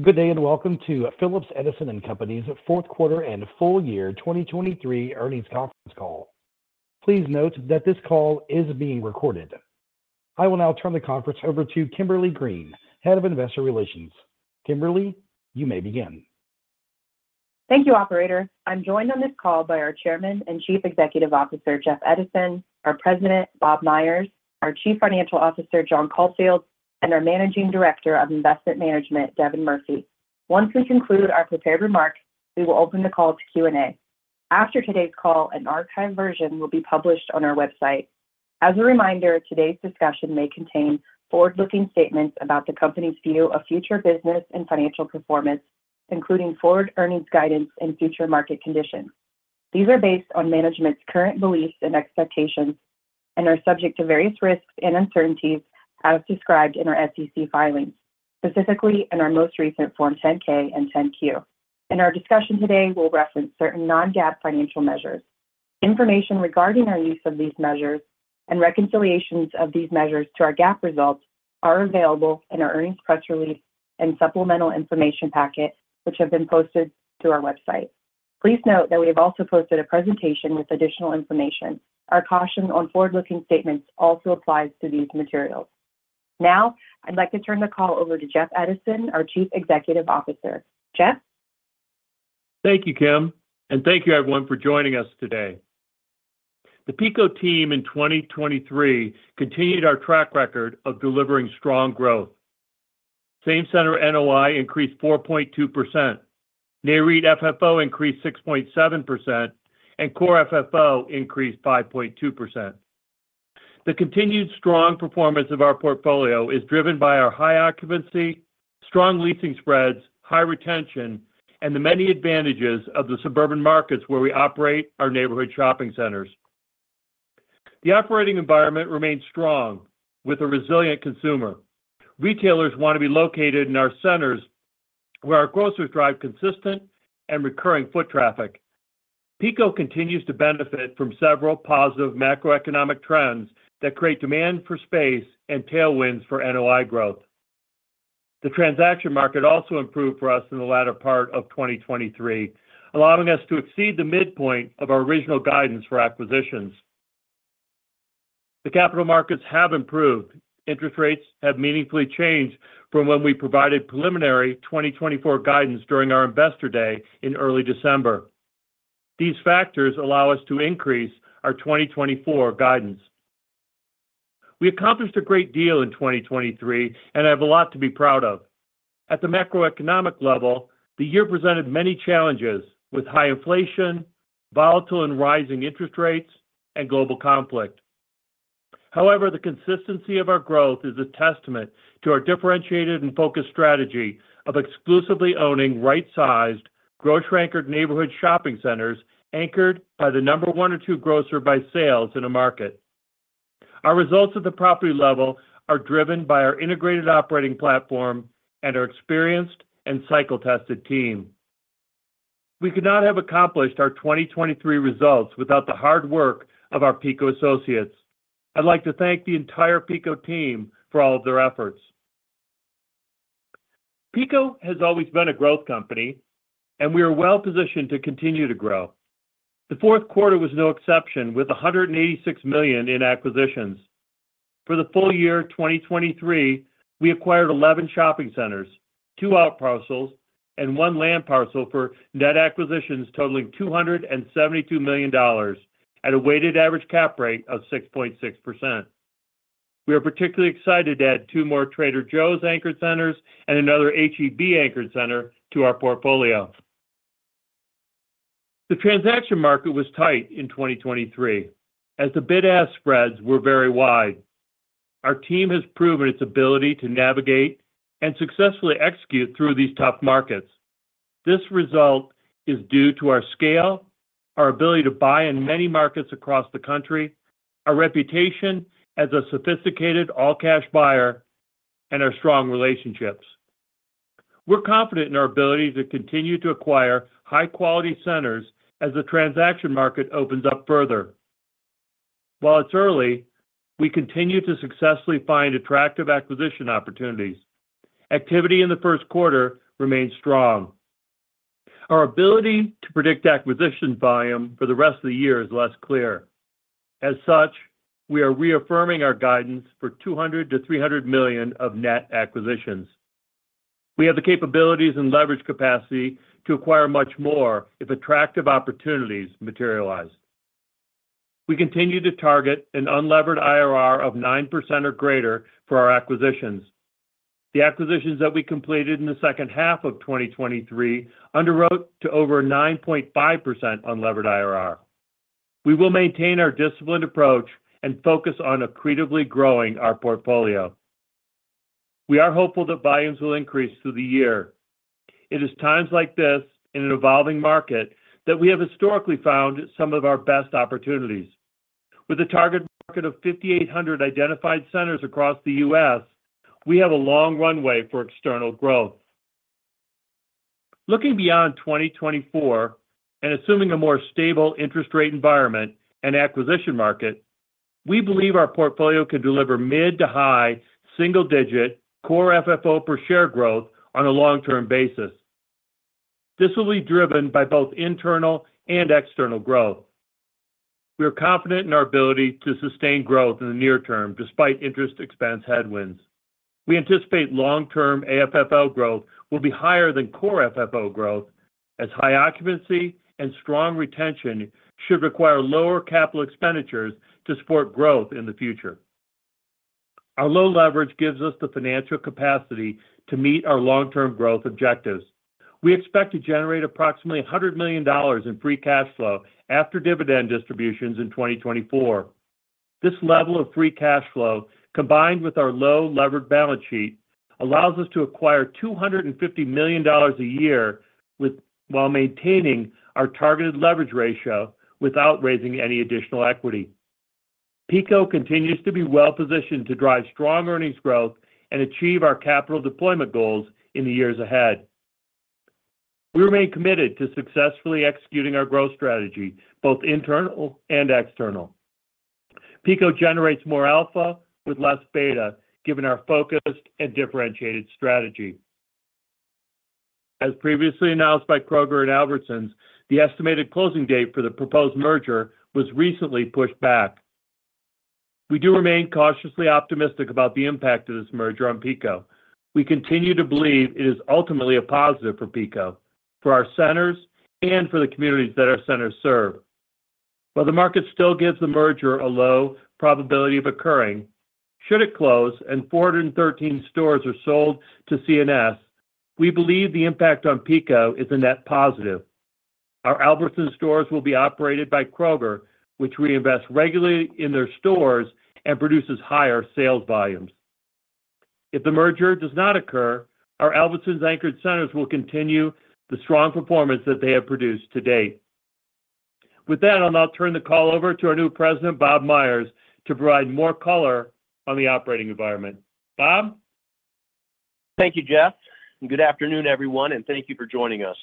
Good day, and welcome to Phillips Edison and Company's Fourth Quarter and Full Year 2023 Earnings Conference Call. Please note that this call is being recorded. I will now turn the conference over to Kimberly Green, Head of Investor Relations. Kimberly, you may begin. Thank you, operator. I'm joined on this call by our Chairman and Chief Executive Officer, Jeff Edison; our President, Bob Myers; our Chief Financial Officer, John Caulfield; and our Managing Director of Investment Management, Devin Murphy. Once we conclude our prepared remarks, we will open the call to Q&A. After today's call, an archived version will be published on our website. As a reminder, today's discussion may contain forward-looking statements about the company's view of future business and financial performance, including forward earnings guidance and future market conditions. These are based on management's current beliefs and expectations and are subject to various risks and uncertainties as described in our SEC filings, specifically in our most recent Form 10-K and 10-Q. In our discussion today, we'll reference certain non-GAAP financial measures. Information regarding our use of these measures and reconciliations of these measures to our GAAP results are available in our earnings press release and supplemental information packet, which have been posted to our website. Please note that we have also posted a presentation with additional information. Our caution on forward-looking statements also applies to these materials. Now, I'd like to turn the call over to Jeff Edison, our Chief Executive Officer. Jeff? Thank you, Kim, and thank you everyone for joining us today. The PECO team in 2023 continued our track record of delivering strong growth. Same-center NOI increased 4.2%. NAREIT FFO increased 6.7%, and Core FFO increased 5.2%. The continued strong performance of our portfolio is driven by our high occupancy, strong leasing spreads, high retention, and the many advantages of the suburban markets where we operate our neighborhood shopping centers. The operating environment remains strong, with a resilient consumer. Retailers want to be located in our centers, where our grocers drive consistent and recurring foot traffic. PECO continues to benefit from several positive macroeconomic trends that create demand for space and tailwinds for NOI growth. The transaction market also improved for us in the latter part of 2023, allowing us to exceed the midpoint of our original guidance for acquisitions. The capital markets have improved. Interest rates have meaningfully changed from when we provided preliminary 2024 guidance during our Investor Day in early December. These factors allow us to increase our 2024 guidance. We accomplished a great deal in 2023, and have a lot to be proud of. At the macroeconomic level, the year presented many challenges, with high inflation, volatile and rising interest rates, and global conflict. However, the consistency of our growth is a testament to our differentiated and focused strategy of exclusively owning right-sized, grocery-anchored neighborhood shopping centers, anchored by the number one or two grocer by sales in a market. Our results at the property level are driven by our integrated operating platform and our experienced and cycle-tested team. We could not have accomplished our 2023 results without the hard work of our PECO associates. I'd like to thank the entire PECO team for all of their efforts. PECO has always been a growth company, and we are well positioned to continue to grow. The fourth quarter was no exception, with $186 million in acquisitions. For the full year 2023, we acquired 11 shopping centers, 2 outparcels, and 1 land parcel for net acquisitions totaling $272 million at a weighted average cap rate of 6.6%. We are particularly excited to add two more Trader Joe's anchored centers and another H-E-B anchored center to our portfolio. The transaction market was tight in 2023 as the bid-ask spreads were very wide. Our team has proven its ability to navigate and successfully execute through these tough markets. This result is due to our scale, our ability to buy in many markets across the country, our reputation as a sophisticated all-cash buyer, and our strong relationships. We're confident in our ability to continue to acquire high-quality centers as the transaction market opens up further. While it's early, we continue to successfully find attractive acquisition opportunities. Activity in the first quarter remains strong. Our ability to predict acquisition volume for the rest of the year is less clear. As such, we are reaffirming our guidance for $200 million-$300 million of net acquisitions. We have the capabilities and leverage capacity to acquire much more if attractive opportunities materialize. We continue to target an unlevered IRR of 9% or greater for our acquisitions. The acquisitions that we completed in the second half of 2023 underwrote to over 9.5% unlevered IRR. We will maintain our disciplined approach and focus on accretively growing our portfolio. We are hopeful that volumes will increase through the year. It is times like this, in an evolving market, that we have historically found some of our best opportunities. With a target market of 5,800 identified centers across the U.S., we have a long runway for external growth. Looking beyond 2024, and assuming a more stable interest rate environment and acquisition market, we believe our portfolio could deliver mid- to high single-digit core FFO per share growth on a long-term basis. This will be driven by both internal and external growth. We are confident in our ability to sustain growth in the near term, despite interest expense headwinds. We anticipate long-term AFFO growth will be higher than core FFO growth, as high occupancy and strong retention should require lower capital expenditures to support growth in the future. Our low leverage gives us the financial capacity to meet our long-term growth objectives. We expect to generate approximately $100 million in free cash flow after dividend distributions in 2024. This level of free cash flow, combined with our low levered balance sheet, allows us to acquire $250 million a year while maintaining our targeted leverage ratio without raising any additional equity. PECO continues to be well positioned to drive strong earnings growth and achieve our capital deployment goals in the years ahead. We remain committed to successfully executing our growth strategy, both internal and external. PECO generates more alpha with less beta, given our focused and differentiated strategy. As previously announced by Kroger and Albertsons, the estimated closing date for the proposed merger was recently pushed back. We do remain cautiously optimistic about the impact of this merger on PECO. We continue to believe it is ultimately a positive for PECO, for our centers, and for the communities that our centers serve. While the market still gives the merger a low probability of occurring, should it close and 413 stores are sold to C&S, we believe the impact on PECO is a net positive. Our Albertsons stores will be operated by Kroger, which reinvest regularly in their stores and produces higher sales volumes. If the merger does not occur, our Albertsons anchored centers will continue the strong performance that they have produced to date. With that, I'll now turn the call over to our new president, Bob Myers, to provide more color on the operating environment. Bob? Thank you, Jeff, and good afternoon, everyone, and thank you for joining us.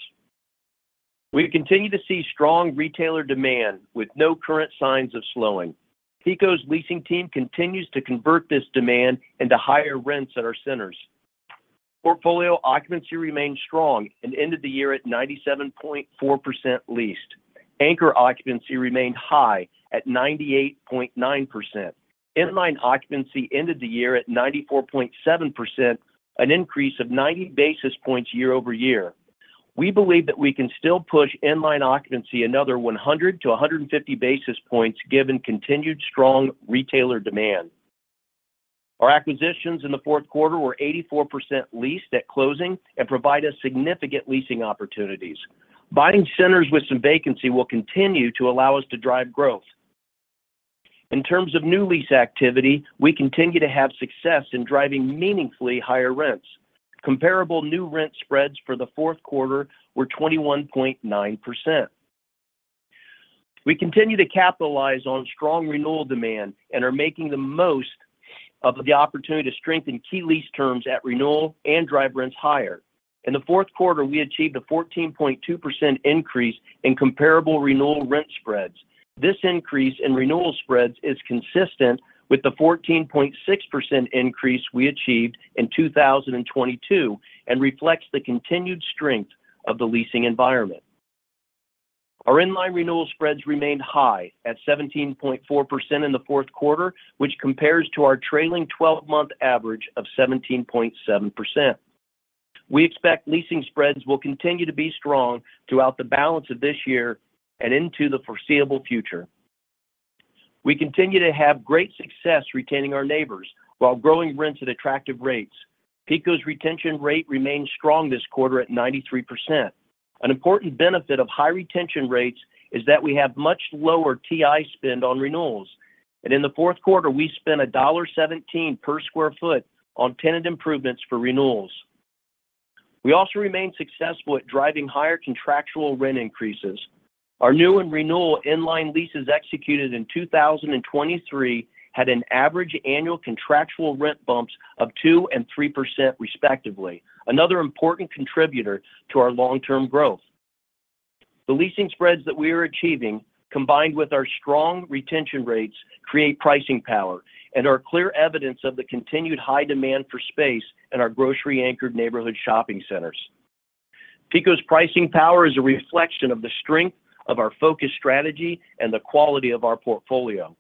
We continue to see strong retailer demand with no current signs of slowing. PECO's leasing team continues to convert this demand into higher rents at our centers. Portfolio occupancy remained strong and ended the year at 97.4% leased. Anchor occupancy remained high at 98.9%. Inline occupancy ended the year at 94.7%, an increase of 90 basis points year-over-year. We believe that we can still push inline occupancy another 100-150 basis points, given continued strong retailer demand. Our acquisitions in the fourth quarter were 84% leased at closing and provide us significant leasing opportunities. Buying centers with some vacancy will continue to allow us to drive growth. In terms of new lease activity, we continue to have success in driving meaningfully higher rents. Comparable new rent spreads for the fourth quarter were 21.9%. We continue to capitalize on strong renewal demand and are making the most of the opportunity to strengthen key lease terms at renewal and drive rents higher. In the fourth quarter, we achieved a 14.2% increase in comparable renewal rent spreads. This increase in renewal spreads is consistent with the 14.6% increase we achieved in 2022 and reflects the continued strength of the leasing environment. Our inline renewal spreads remained high at 17.4% in the fourth quarter, which compares to our trailing 12-month average of 17.7%. We expect leasing spreads will continue to be strong throughout the balance of this year and into the foreseeable future. We continue to have great success retaining our neighbors while growing rents at attractive rates. PECO's retention rate remains strong this quarter at 93%. An important benefit of high retention rates is that we have much lower TI spend on renewals, and in the fourth quarter, we spent $1.17 per sq ft on tenant improvements for renewals. We also remain successful at driving higher contractual rent increases. Our new and renewal inline leases executed in 2023 had an average annual contractual rent bumps of 2% and 3%, respectively, another important contributor to our long-term growth. The leasing spreads that we are achieving, combined with our strong retention rates, create pricing power and are clear evidence of the continued high demand for space in our grocery-anchored neighborhood shopping centers. PECO's pricing power is a reflection of the strength of our focused strategy and the quality of our portfolio.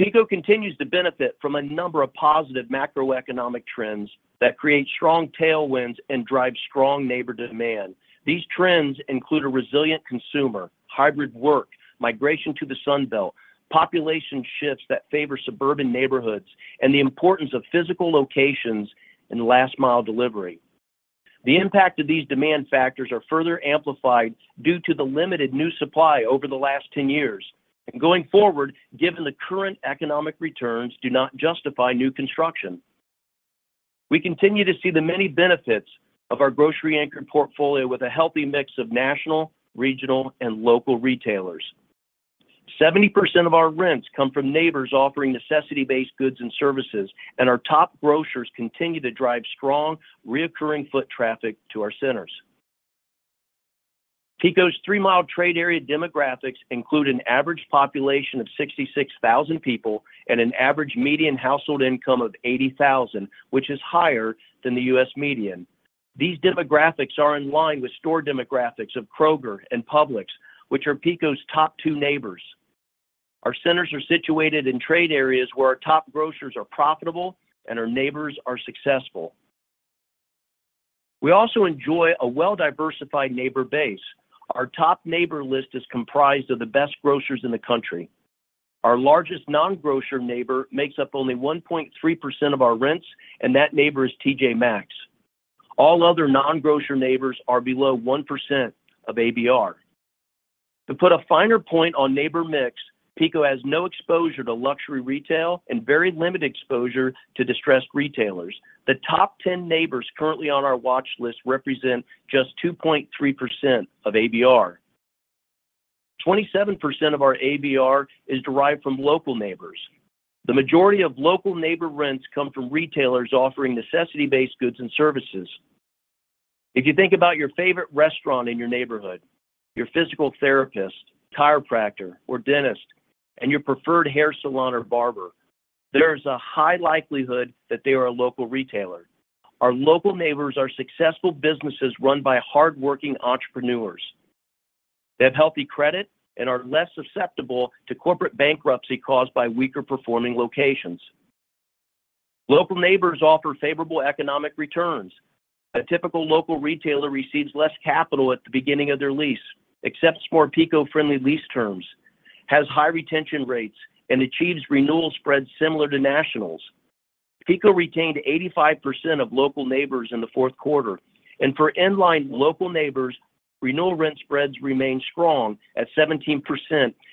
PECO continues to benefit from a number of positive macroeconomic trends that create strong tailwinds and drive strong neighbor demand. These trends include a resilient consumer, hybrid work, migration to the Sun Belt, population shifts that favor suburban neighborhoods, and the importance of physical locations in last mile delivery. The impact of these demand factors are further amplified due to the limited new supply over the last 10 years, and going forward, given the current economic returns, do not justify new construction. We continue to see the many benefits of our grocery-anchored portfolio with a healthy mix of national, regional, and local retailers. 70% of our rents come from neighbors offering necessity-based goods and services, and our top grocers continue to drive strong, recurring foot traffic to our centers. PECO's three-mile trade area demographics include an average population of 66,000 people and an average median household income of $80,000, which is higher than the U.S. median. These demographics are in line with store demographics of Kroger and Publix, which are PECO's top two neighbors. Our centers are situated in trade areas where our top grocers are profitable and our neighbors are successful. We also enjoy a well-diversified neighbor base. Our top neighbor list is comprised of the best grocers in the country. Our largest non-grocer neighbor makes up only 1.3% of our rents, and that neighbor is TJ Maxx. All other non-grocer neighbors are below 1% of ABR. To put a finer point on neighbor mix, PECO has no exposure to luxury retail and very limited exposure to distressed retailers. The top 10 neighbors currently on our watch list represent just 2.3% of ABR. 27% of our ABR is derived from local neighbors. The majority of local neighbor rents come from retailers offering necessity-based goods and services. If you think about your favorite restaurant in your neighborhood, your physical therapist, chiropractor, or dentist, and your preferred hair salon or barber, there is a high likelihood that they are a local retailer. Our local neighbors are successful businesses run by hardworking entrepreneurs. They have healthy credit and are less susceptible to corporate bankruptcy caused by weaker performing locations. Local neighbors offer favorable economic returns. A typical local retailer receives less capital at the beginning of their lease, accepts more PECO-friendly lease terms, has high retention rates, and achieves renewal spreads similar to nationals. PECO retained 85% of local neighbors in the fourth quarter, and for in-line local neighbors, renewal rent spreads remained strong at 17%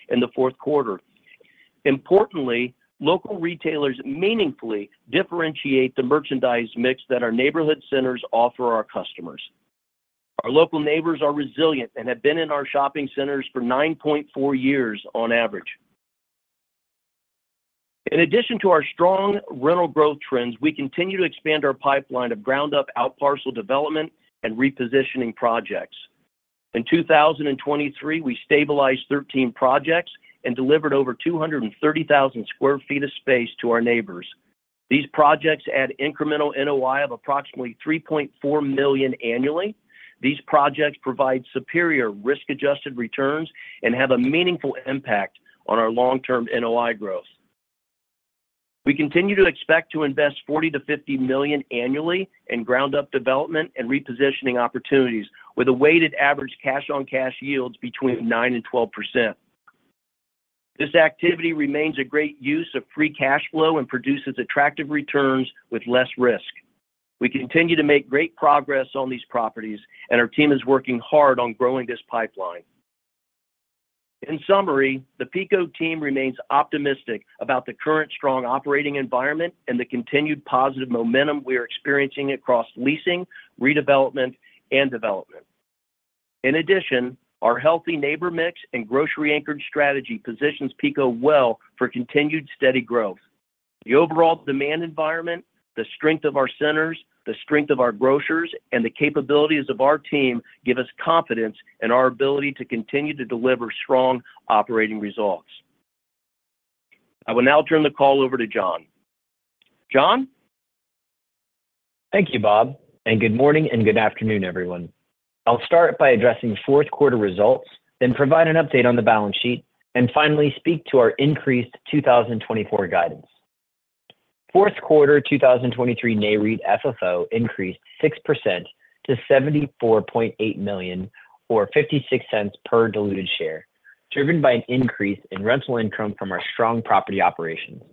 in the fourth quarter. Importantly, local retailers meaningfully differentiate the merchandise mix that our neighborhood centers offer our customers. Our local neighbors are resilient and have been in our shopping centers for 9.4 years on average. In addition to our strong rental growth trends, we continue to expand our pipeline of ground-up out parcel development and repositioning projects. In 2023, we stabilized 13 projects and delivered over 230,000 sq ft of space to our neighbors. These projects add incremental NOI of approximately $3.4 million annually. These projects provide superior risk-adjusted returns and have a meaningful impact on our long-term NOI growth. We continue to expect to invest $40 million-$50 million annually in ground-up development and repositioning opportunities, with a weighted average cash-on-cash yields between 9% and 12%. This activity remains a great use of free cash flow and produces attractive returns with less risk. We continue to make great progress on these properties, and our team is working hard on growing this pipeline. In summary, the PECO team remains optimistic about the current strong operating environment and the continued positive momentum we are experiencing across leasing, redevelopment, and development. In addition, our healthy neighbor mix and grocery-anchored strategy positions PECO well for continued steady growth. The overall demand environment, the strength of our centers, the strength of our grocers, and the capabilities of our team give us confidence in our ability to continue to deliver strong operating results. I will now turn the call over to John. John? Thank you, Bob, and good morning and good afternoon, everyone. I'll start by addressing fourth quarter results, then provide an update on the balance sheet, and finally, speak to our increased 2024 guidance. Fourth quarter 2023 NAREIT FFO increased 6% to $74.8 million or $0.56 per diluted share, driven by an increase in rental income from our strong property operations.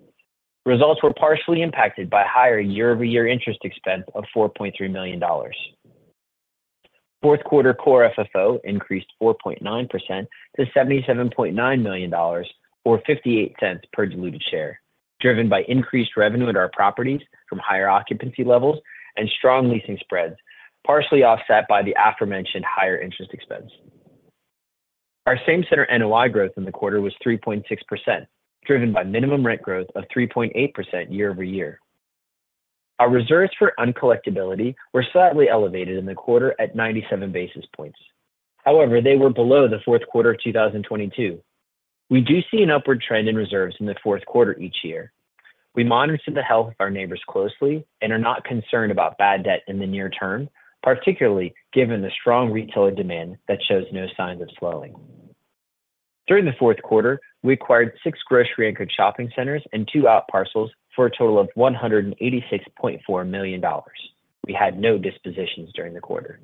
Results were partially impacted by higher year-over-year interest expense of $4.3 million. Fourth quarter core FFO increased 4.9% to $77.9 million or $0.58 per diluted share, driven by increased revenue at our properties from higher occupancy levels and strong leasing spreads, partially offset by the aforementioned higher interest expense. Our same-center NOI growth in the quarter was 3.6%, driven by minimum rent growth of 3.8% year-over-year. Our reserves for uncollectibility were slightly elevated in the quarter at 97 basis points. However, they were below the fourth quarter of 2022. We do see an upward trend in reserves in the fourth quarter each year. We monitor the health of our neighbors closely and are not concerned about bad debt in the near term, particularly given the strong retailer demand that shows no signs of slowing. During the fourth quarter, we acquired 6 grocery-anchored shopping centers and 2 outparcels for a total of $186.4 million. We had no dispositions during the quarter.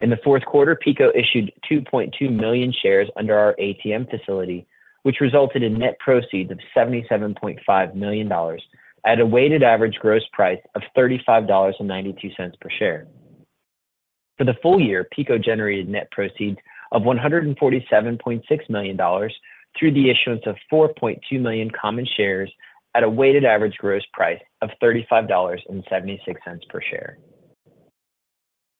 In the fourth quarter, PECO issued 2.2 million shares under our ATM facility, which resulted in net proceeds of $77.5 million at a weighted average gross price of $35.92 per share. For the full year, PECO generated net proceeds of $147.6 million through the issuance of 4.2 million common shares at a weighted average gross price of $35.76 per share.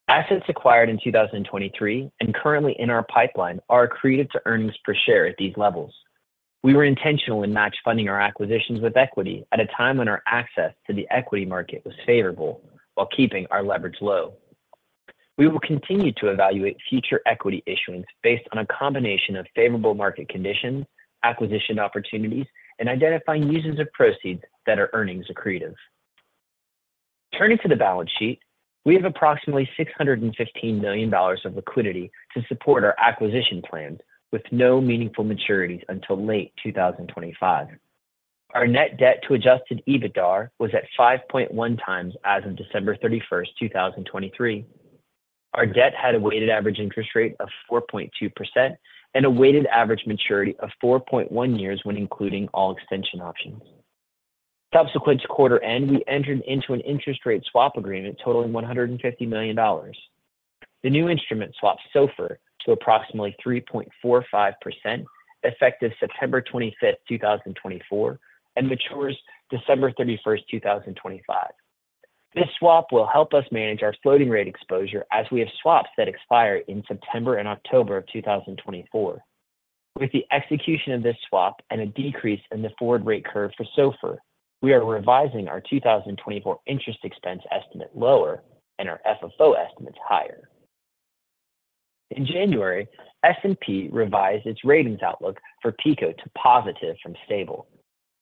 Assets acquired in 2023 and currently in our pipeline are accretive to earnings per share at these levels. We were intentional in match funding our acquisitions with equity at a time when our access to the equity market was favorable, while keeping our leverage low. We will continue to evaluate future equity issuance based on a combination of favorable market conditions, acquisition opportunities, and identifying uses of proceeds that are earnings accretive. Turning to the balance sheet, we have approximately $615 million of liquidity to support our acquisition plans, with no meaningful maturities until late 2025. Our net debt to adjusted EBITDA was at 5.1x as of December 31, 2023. Our debt had a weighted average interest rate of 4.2% and a weighted average maturity of 4.1 years when including all extension options. Subsequent to quarter end, we entered into an interest rate swap agreement totaling $150 million. The new instrument swaps SOFR to approximately 3.45%, effective September 25, 2024, and matures December 31, 2025. This swap will help us manage our floating rate exposure as we have swaps that expire in September and October of 2024. With the execution of this swap and a decrease in the forward rate curve for SOFR, we are revising our 2024 interest expense estimate lower and our FFO estimates higher. In January, S&P revised its ratings outlook for PECO to positive from stable.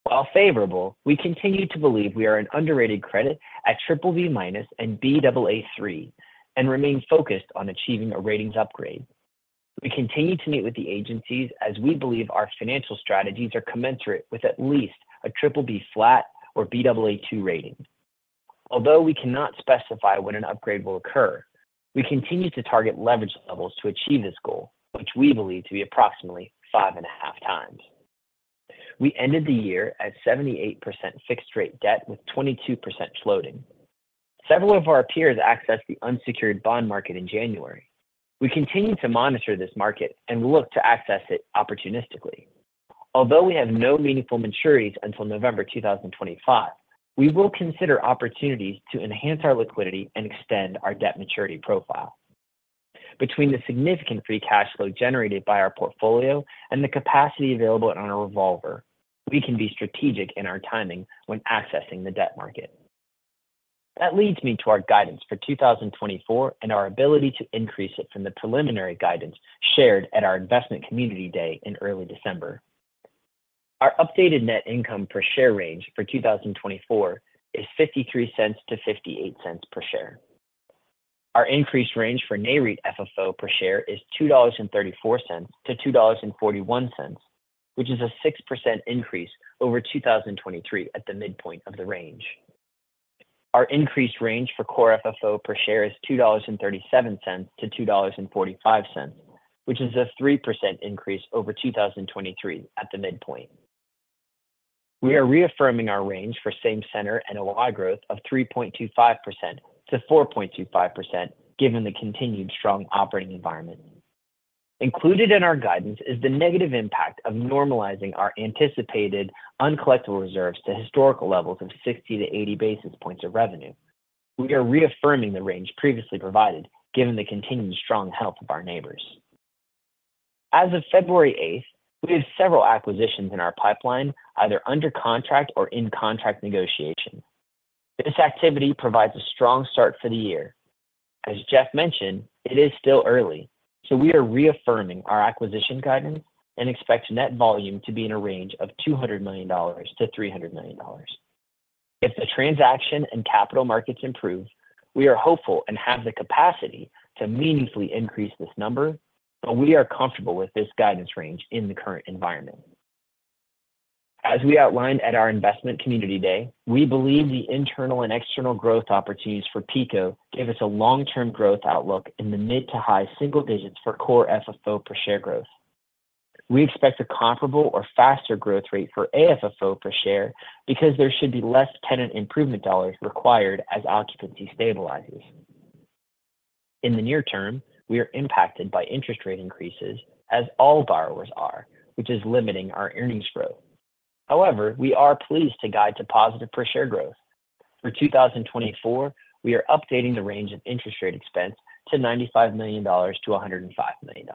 While favorable, we continue to believe we are an underrated credit at BBB- and Baa3, and remain focused on achieving a ratings upgrade. We continue to meet with the agencies as we believe our financial strategies are commensurate with at least a BBB flat or Baa2 rating. Although we cannot specify when an upgrade will occur, we continue to target leverage levels to achieve this goal, which we believe to be approximately 5.5x. We ended the year at 78% fixed rate debt, with 22% floating. Several of our peers accessed the unsecured bond market in January. We continue to monitor this market and look to access it opportunistically. Although we have no meaningful maturities until November 2025, we will consider opportunities to enhance our liquidity and extend our debt maturity profile. Between the significant free cash flow generated by our portfolio and the capacity available on our revolver, we can be strategic in our timing when accessing the debt market. That leads me to our guidance for 2024 and our ability to increase it from the preliminary guidance shared at our investment community day in early December. Our updated net income per share range for 2024 is $0.53-$0.58 per share. Our increased range for NAREIT FFO per share is $2.34-$2.41, which is a 6% increase over 2023 at the midpoint of the range. Our increased range for core FFO per share is $2.37-$2.45, which is a 3% increase over 2023 at the midpoint. We are reaffirming our range for same-center NOI growth of 3.25%-4.25%, given the continued strong operating environment. Included in our guidance is the negative impact of normalizing our anticipated uncollectible reserves to historical levels of 60-80 basis points of revenue. We are reaffirming the range previously provided, given the continuing strong health of our neighbors. As of February eighth, we have several acquisitions in our pipeline, either under contract or in contract negotiation. This activity provides a strong start for the year. As Jeff mentioned, it is still early, so we are reaffirming our acquisition guidance and expect net volume to be in a range of $200 million-$300 million. If the transaction and capital markets improve, we are hopeful and have the capacity to meaningfully increase this number, but we are comfortable with this guidance range in the current environment. As we outlined at our investment community day, we believe the internal and external growth opportunities for PECO give us a long-term growth outlook in the mid to high single digits for Core FFO per share growth. We expect a comparable or faster growth rate for AFFO per share because there should be less tenant improvement dollars required as occupancy stabilizes. In the near term, we are impacted by interest rate increases, as all borrowers are, which is limiting our earnings growth. However, we are pleased to guide to positive per share growth. For 2024, we are updating the range of interest rate expense to $95 million-$105 million.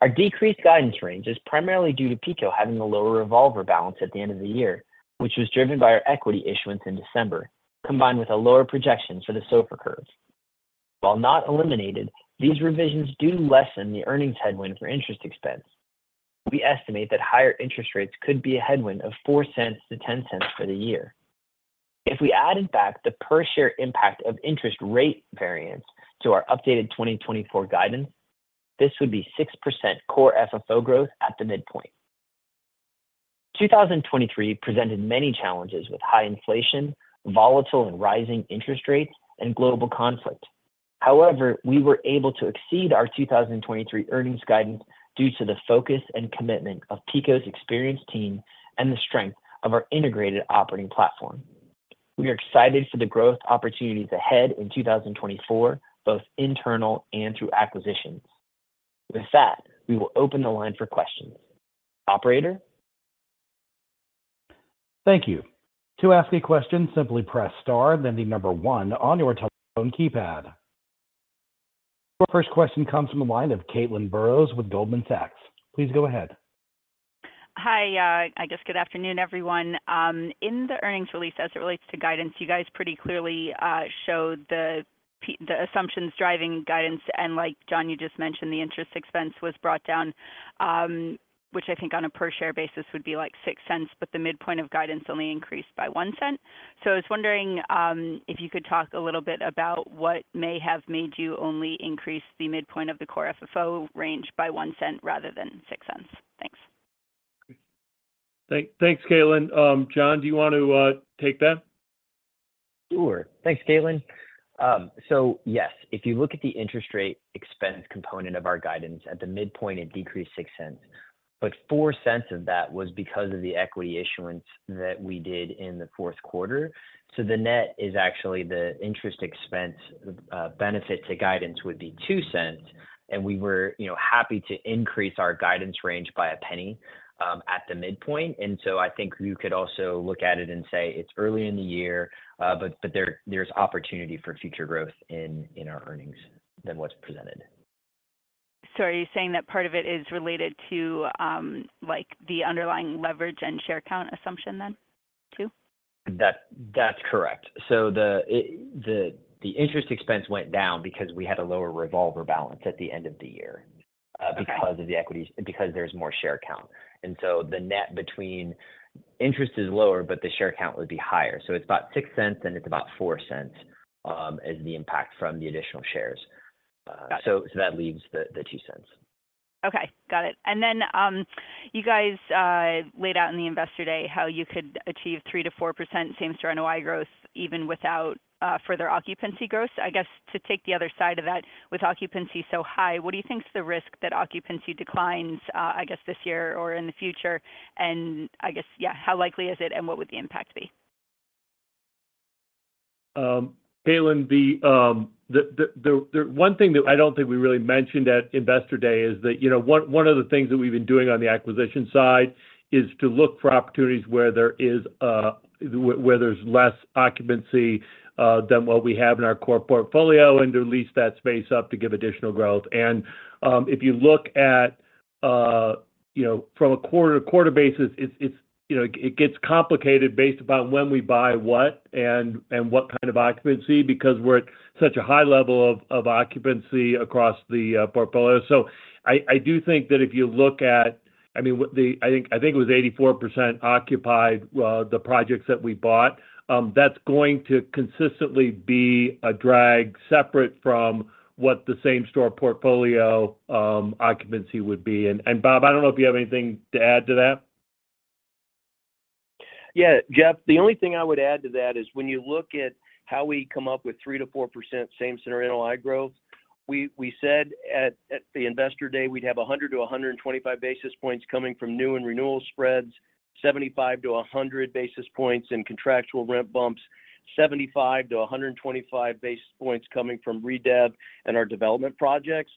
Our decreased guidance range is primarily due to PECO having a lower revolver balance at the end of the year, which was driven by our equity issuance in December, combined with a lower projection for the SOFR curve. While not eliminated, these revisions do lessen the earnings headwind for interest expense. We estimate that higher interest rates could be a headwind of $0.04-$0.10 for the year. If we added back the per share impact of interest rate variance to our updated 2024 guidance, this would be 6% core FFO growth at the midpoint. 2023 presented many challenges with high inflation, volatile and rising interest rates, and global conflict. However, we were able to exceed our 2023 earnings guidance due to the focus and commitment of PECO's experienced team and the strength of our integrated operating platform. We are excited for the growth opportunities ahead in 2024, both internal and through acquisitions. With that, we will open the line for questions. Operator? Thank you. To ask a question, simply press star, then the number one on your telephone keypad. Your first question comes from the line of Caitlin Burrows with Goldman Sachs. Please go ahead. Hi, I guess good afternoon, everyone. In the earnings release, as it relates to guidance, you guys pretty clearly showed the assumptions driving guidance. And like John, you just mentioned, the interest expense was brought down, which I think on a per share basis would be like $0.06, but the midpoint of guidance only increased by $0.01. So I was wondering, if you could talk a little bit about what may have made you only increase the midpoint of the Core FFO range by $0.01 rather than $0.06? Thanks. Thanks, Caitlin. John, do you want to take that? Sure. Thanks, Caitlin. So yes, if you look at the interest rate expense component of our guidance, at the midpoint, it decreased $0.06. But $0.04 of that was because of the equity issuance that we did in the fourth quarter. So the net is actually the interest expense benefit to guidance would be $0.02, and we were, you know, happy to increase our guidance range by $0.01 at the midpoint. And so I think you could also look at it and say it's early in the year, but there, there's opportunity for future growth in, in our earnings than what's presented. Are you saying that part of it is related to, like, the underlying leverage and share count assumption then, too? That, that's correct. So the interest expense went down because we had a lower revolver balance at the end of the year because of the equity, because there's more share count. And so the net between interest is lower, but the share count would be higher. So it's about $0.06, and it's about $0.04, as the impact from the additional shares. Got it. So that leaves the two cents. Okay, got it. And then, you guys, laid out in the Investor Day how you could achieve 3%-4% same-store NOI growth even without further occupancy growth. I guess to take the other side of that, with occupancy so high, what do you think is the risk that occupancy declines, I guess this year or in the future? And I guess, yeah, how likely is it, and what would the impact be? Caitlin, the one thing that I don't think we really mentioned at Investor Day is that, you know, one of the things that we've been doing on the acquisition side is to look for opportunities where there's less occupancy than what we have in our core portfolio, and to lease that space up to give additional growth. And, if you look at, you know, from a quarter-over-quarter basis, it's, you know, it gets complicated based upon when we buy what and what kind of occupancy, because we're at such a high level of occupancy across the portfolio. So I do think that if you look at-- I mean, what the-- I think it was 84% occupied, the projects that we bought. That's going to consistently be a drag separate from what the same store portfolio occupancy would be. And, Bob, I don't know if you have anything to add to that. Yeah, Jeff, the only thing I would add to that is when you look at how we come up with 3%-4% same-store NOI growth, we, we said at, at the Investor Day, we'd have 100-125 basis points coming from new and renewal spreads, 75-100 basis points in contractual rent bumps, 75-125 basis points coming from redev and our development projects.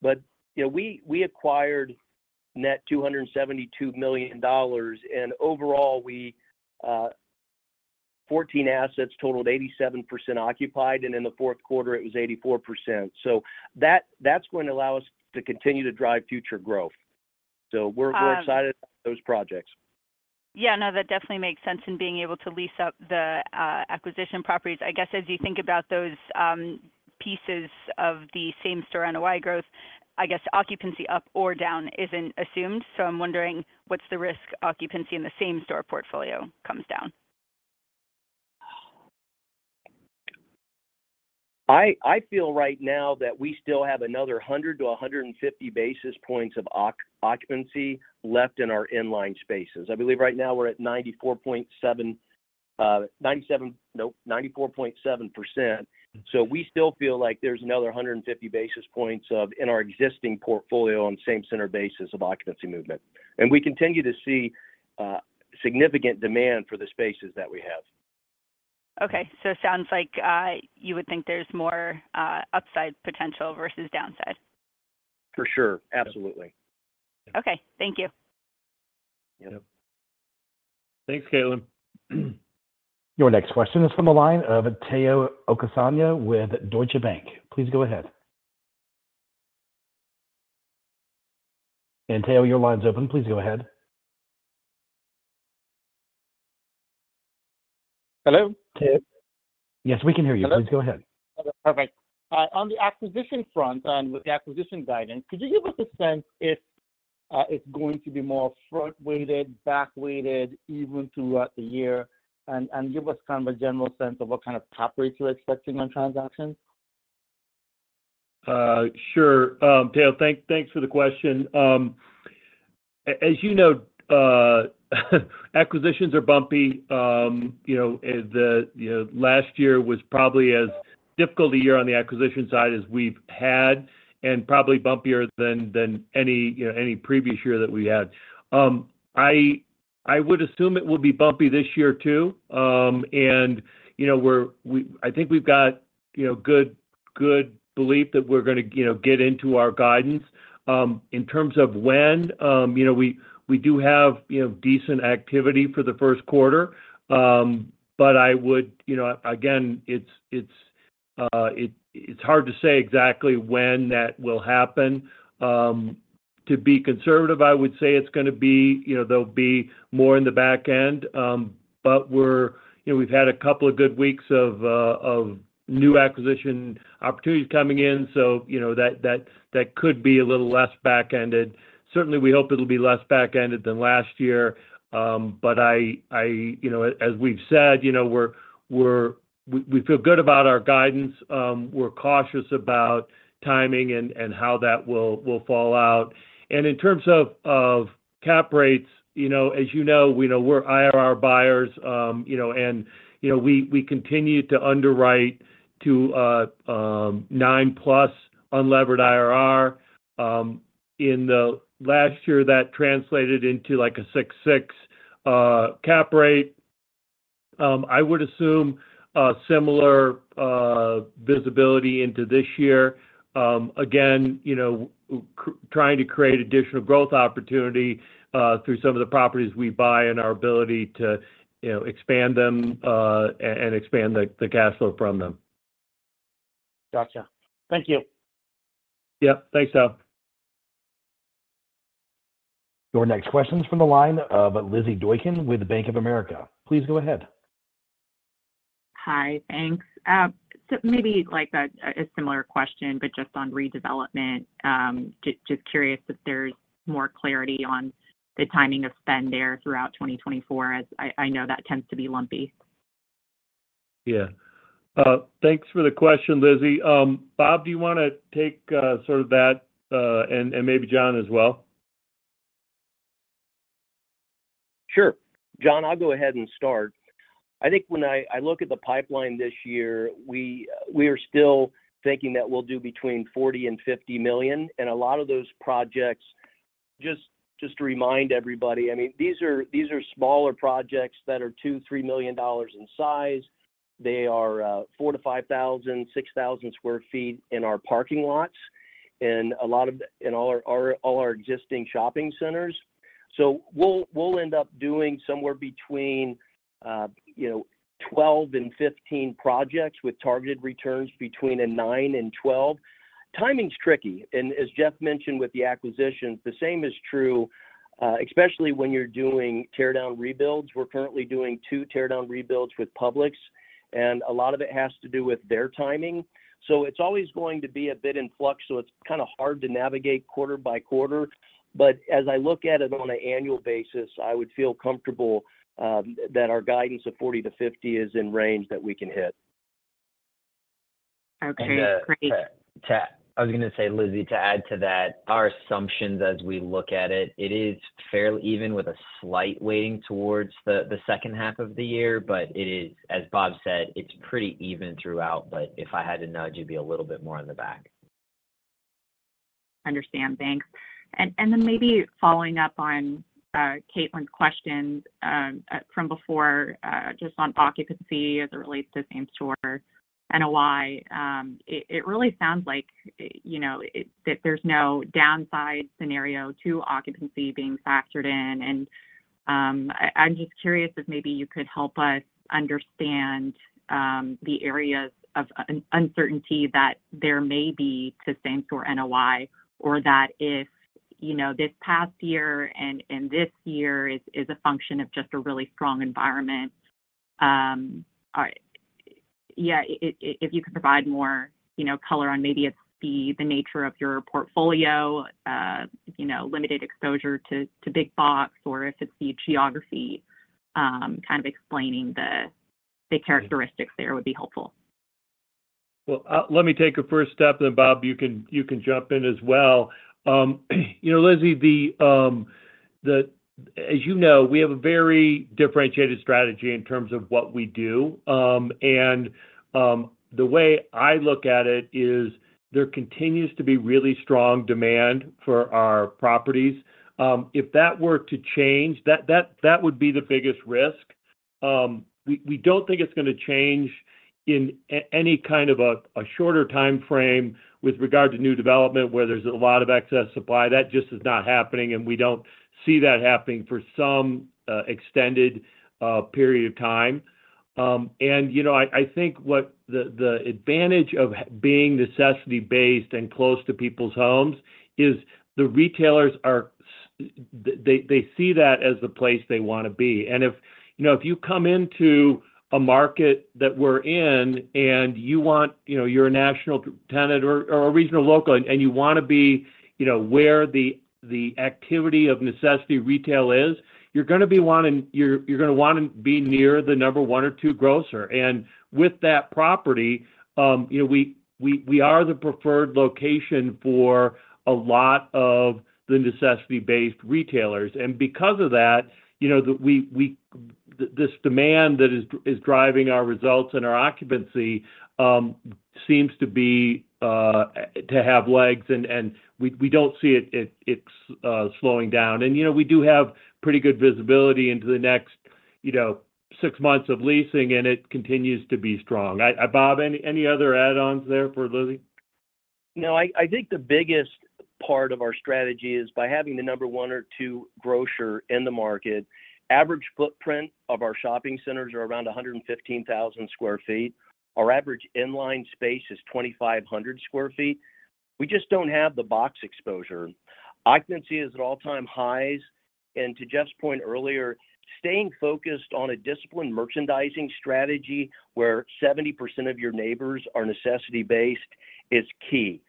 But, you know, we acquired net $272 million, and overall, we 14 assets totaled 87% occupied, and in the fourth quarter, it was 84%. So that's going to allow us to continue to drive future growth. So we're excited about those projects. Yeah, no, that definitely makes sense in being able to lease up the acquisition properties. I guess, as you think about those pieces of the same store NOI growth, I guess occupancy up or down isn't assumed. So I'm wondering, what's the risk occupancy in the same store portfolio comes down? I feel right now that we still have another 100-150 basis points of occupancy left in our in-line spaces. I believe right now we're at 94.7%, so we still feel like there's another 150 basis points of in our existing portfolio on the same-center basis of occupancy movement, and we continue to see significant demand for the spaces that we have. Okay. So it sounds like, you would think there's more, upside potential versus downside. For sure. Absolutely. Okay. Thank you. Yeah. Thanks, Caitlin. Your next question is from the line of Omotayo Okusanya with Deutsche Bank. Please go ahead. Tayo, your line's open. Please go ahead. Hello? Tayo? Yes, we can hear you. Hello. Please go ahead. Perfect. On the acquisition front and with the acquisition guidance, could you give us a sense if it's going to be more front-weighted, back-weighted, even throughout the year? And give us kind of a general sense of what kind of top rates you're expecting on transactions. Sure. Tayo, thanks for the question. As you know, acquisitions are bumpy. You know, last year was probably as difficult a year on the acquisition side as we've had, and probably bumpier than any previous year that we had. I would assume it will be bumpy this year, too. And, you know, I think we've got a good belief that we're gonna get into our guidance. In terms of when, you know, we do have decent activity for the first quarter. But, you know, again, it's hard to say exactly when that will happen. To be conservative, I would say it's gonna be, you know, there'll be more in the back end. But we're, you know, we've had a couple of good weeks of new acquisition opportunities coming in, so, you know, that could be a little less back-ended. Certainly, we hope it'll be less back-ended than last year. But I, you know, as we've said, you know, we're, we feel good about our guidance. We're cautious about timing and how that will fall out. In terms of cap rates, you know, as you know, we're IRR buyers, you know, we continue to underwrite to 9+ unlevered IRR. In the last year, that translated into, like, a 6.6 cap rate. I would assume a similar visibility into this year. Again, you know, trying to create additional growth opportunity through some of the properties we buy and our ability to, you know, expand them, and expand the, the cash flow from them. Got you. Thank you. Yeah. Thanks, Al. Your next question's from the line of Lizzy Doykan with Bank of America. Please go ahead. Hi, thanks. So maybe, like, a similar question, but just on redevelopment. Just curious if there's more clarity on the timing of spend there throughout 2024, as I know that tends to be lumpy. Yeah. Thanks for the question, Lizzie. Bob, do you wanna take sort of that and maybe John as well? Sure. John, I'll go ahead and start. I think when I look at the pipeline this year, we are still thinking that we'll do between $40 million and $50 million, and a lot of those projects. Just, just to remind everybody, I mean, these are, these are smaller projects that are $2-$3 million in size. They are four to 5,000, 6,000 sq ft in our parking lots, and a lot of- and all our existing shopping centers. So we'll, we'll end up doing somewhere between, you know, 12 and 15 projects with targeted returns between 9 and 12. Timing's tricky, and as Jeff mentioned with the acquisitions, the same is true, especially when you're doing tear down rebuilds. We're currently doing two tear down rebuilds with Publix, and a lot of it has to do with their timing. So it's always going to be a bit in flux, so it's kind of hard to navigate quarter-by-quarter. But as I look at it on an annual basis, I would feel comfortable that our guidance of 40-50 is in range that we can hit. Okay, great. I was gonna say, Lizzie, to add to that, our assumptions as we look at it, it is fairly even with a slight weighting towards the second half of the year. But it is, as Bob said, it's pretty even throughout. But if I had to nudge, it'd be a little bit more on the back. Understand. Thanks. And then maybe following up on Caitlin's questions from before, just on occupancy as it relates to same store and why. It really sounds like, you know, that there's no downside scenario to occupancy being factored in. And I'm just curious if maybe you could help us understand the areas of uncertainty that there may be to same store NOI. Or that if, you know, this past year and this year is a function of just a really strong environment. Yeah, if you could provide more, you know, color on maybe it's the nature of your portfolio, you know, limited exposure to big box, or if it's the geography, kind of explaining the characteristics there would be helpful. Well, let me take a first step, then, Bob, you can, you can jump in as well. You know, Lizzie, as you know, we have a very differentiated strategy in terms of what we do. And the way I look at it is there continues to be really strong demand for our properties. If that were to change, that would be the biggest risk. We don't think it's gonna change in any kind of a shorter timeframe with regard to new development, where there's a lot of excess supply. That just is not happening, and we don't see that happening for some extended period of time. And, you know, I think what the advantage of being necessity-based and close to people's homes is the retailers they see that as the place they want to be. And if, you know, if you come into a market that we're in and you want-- you know, you're a national tenant or a regional local, and you wanna be, you know, where the activity of necessity retail is, you're gonna want to be near the number one or two grocer. And with that property, you know, we are the preferred location for a lot of the necessity-based retailers. Because of that, you know, the demand that is driving our results and our occupancy seems to be to have legs, and we don't see it slowing down. And, you know, we do have pretty good visibility into the next you know, six months of leasing, and it continues to be strong. I, Bob, any other add-ons there for Lizzie? No, I think the biggest part of our strategy is by having the number one or two grocer in the market. Average footprint of our shopping centers are around 115,000 sq ft. Our average inline space is 2,500 sq ft. We just don't have the box exposure. Occupancy is at all-time highs, and to Jeff's point earlier, staying focused on a disciplined merchandising strategy where 70% of your neighbors are necessity-based is key.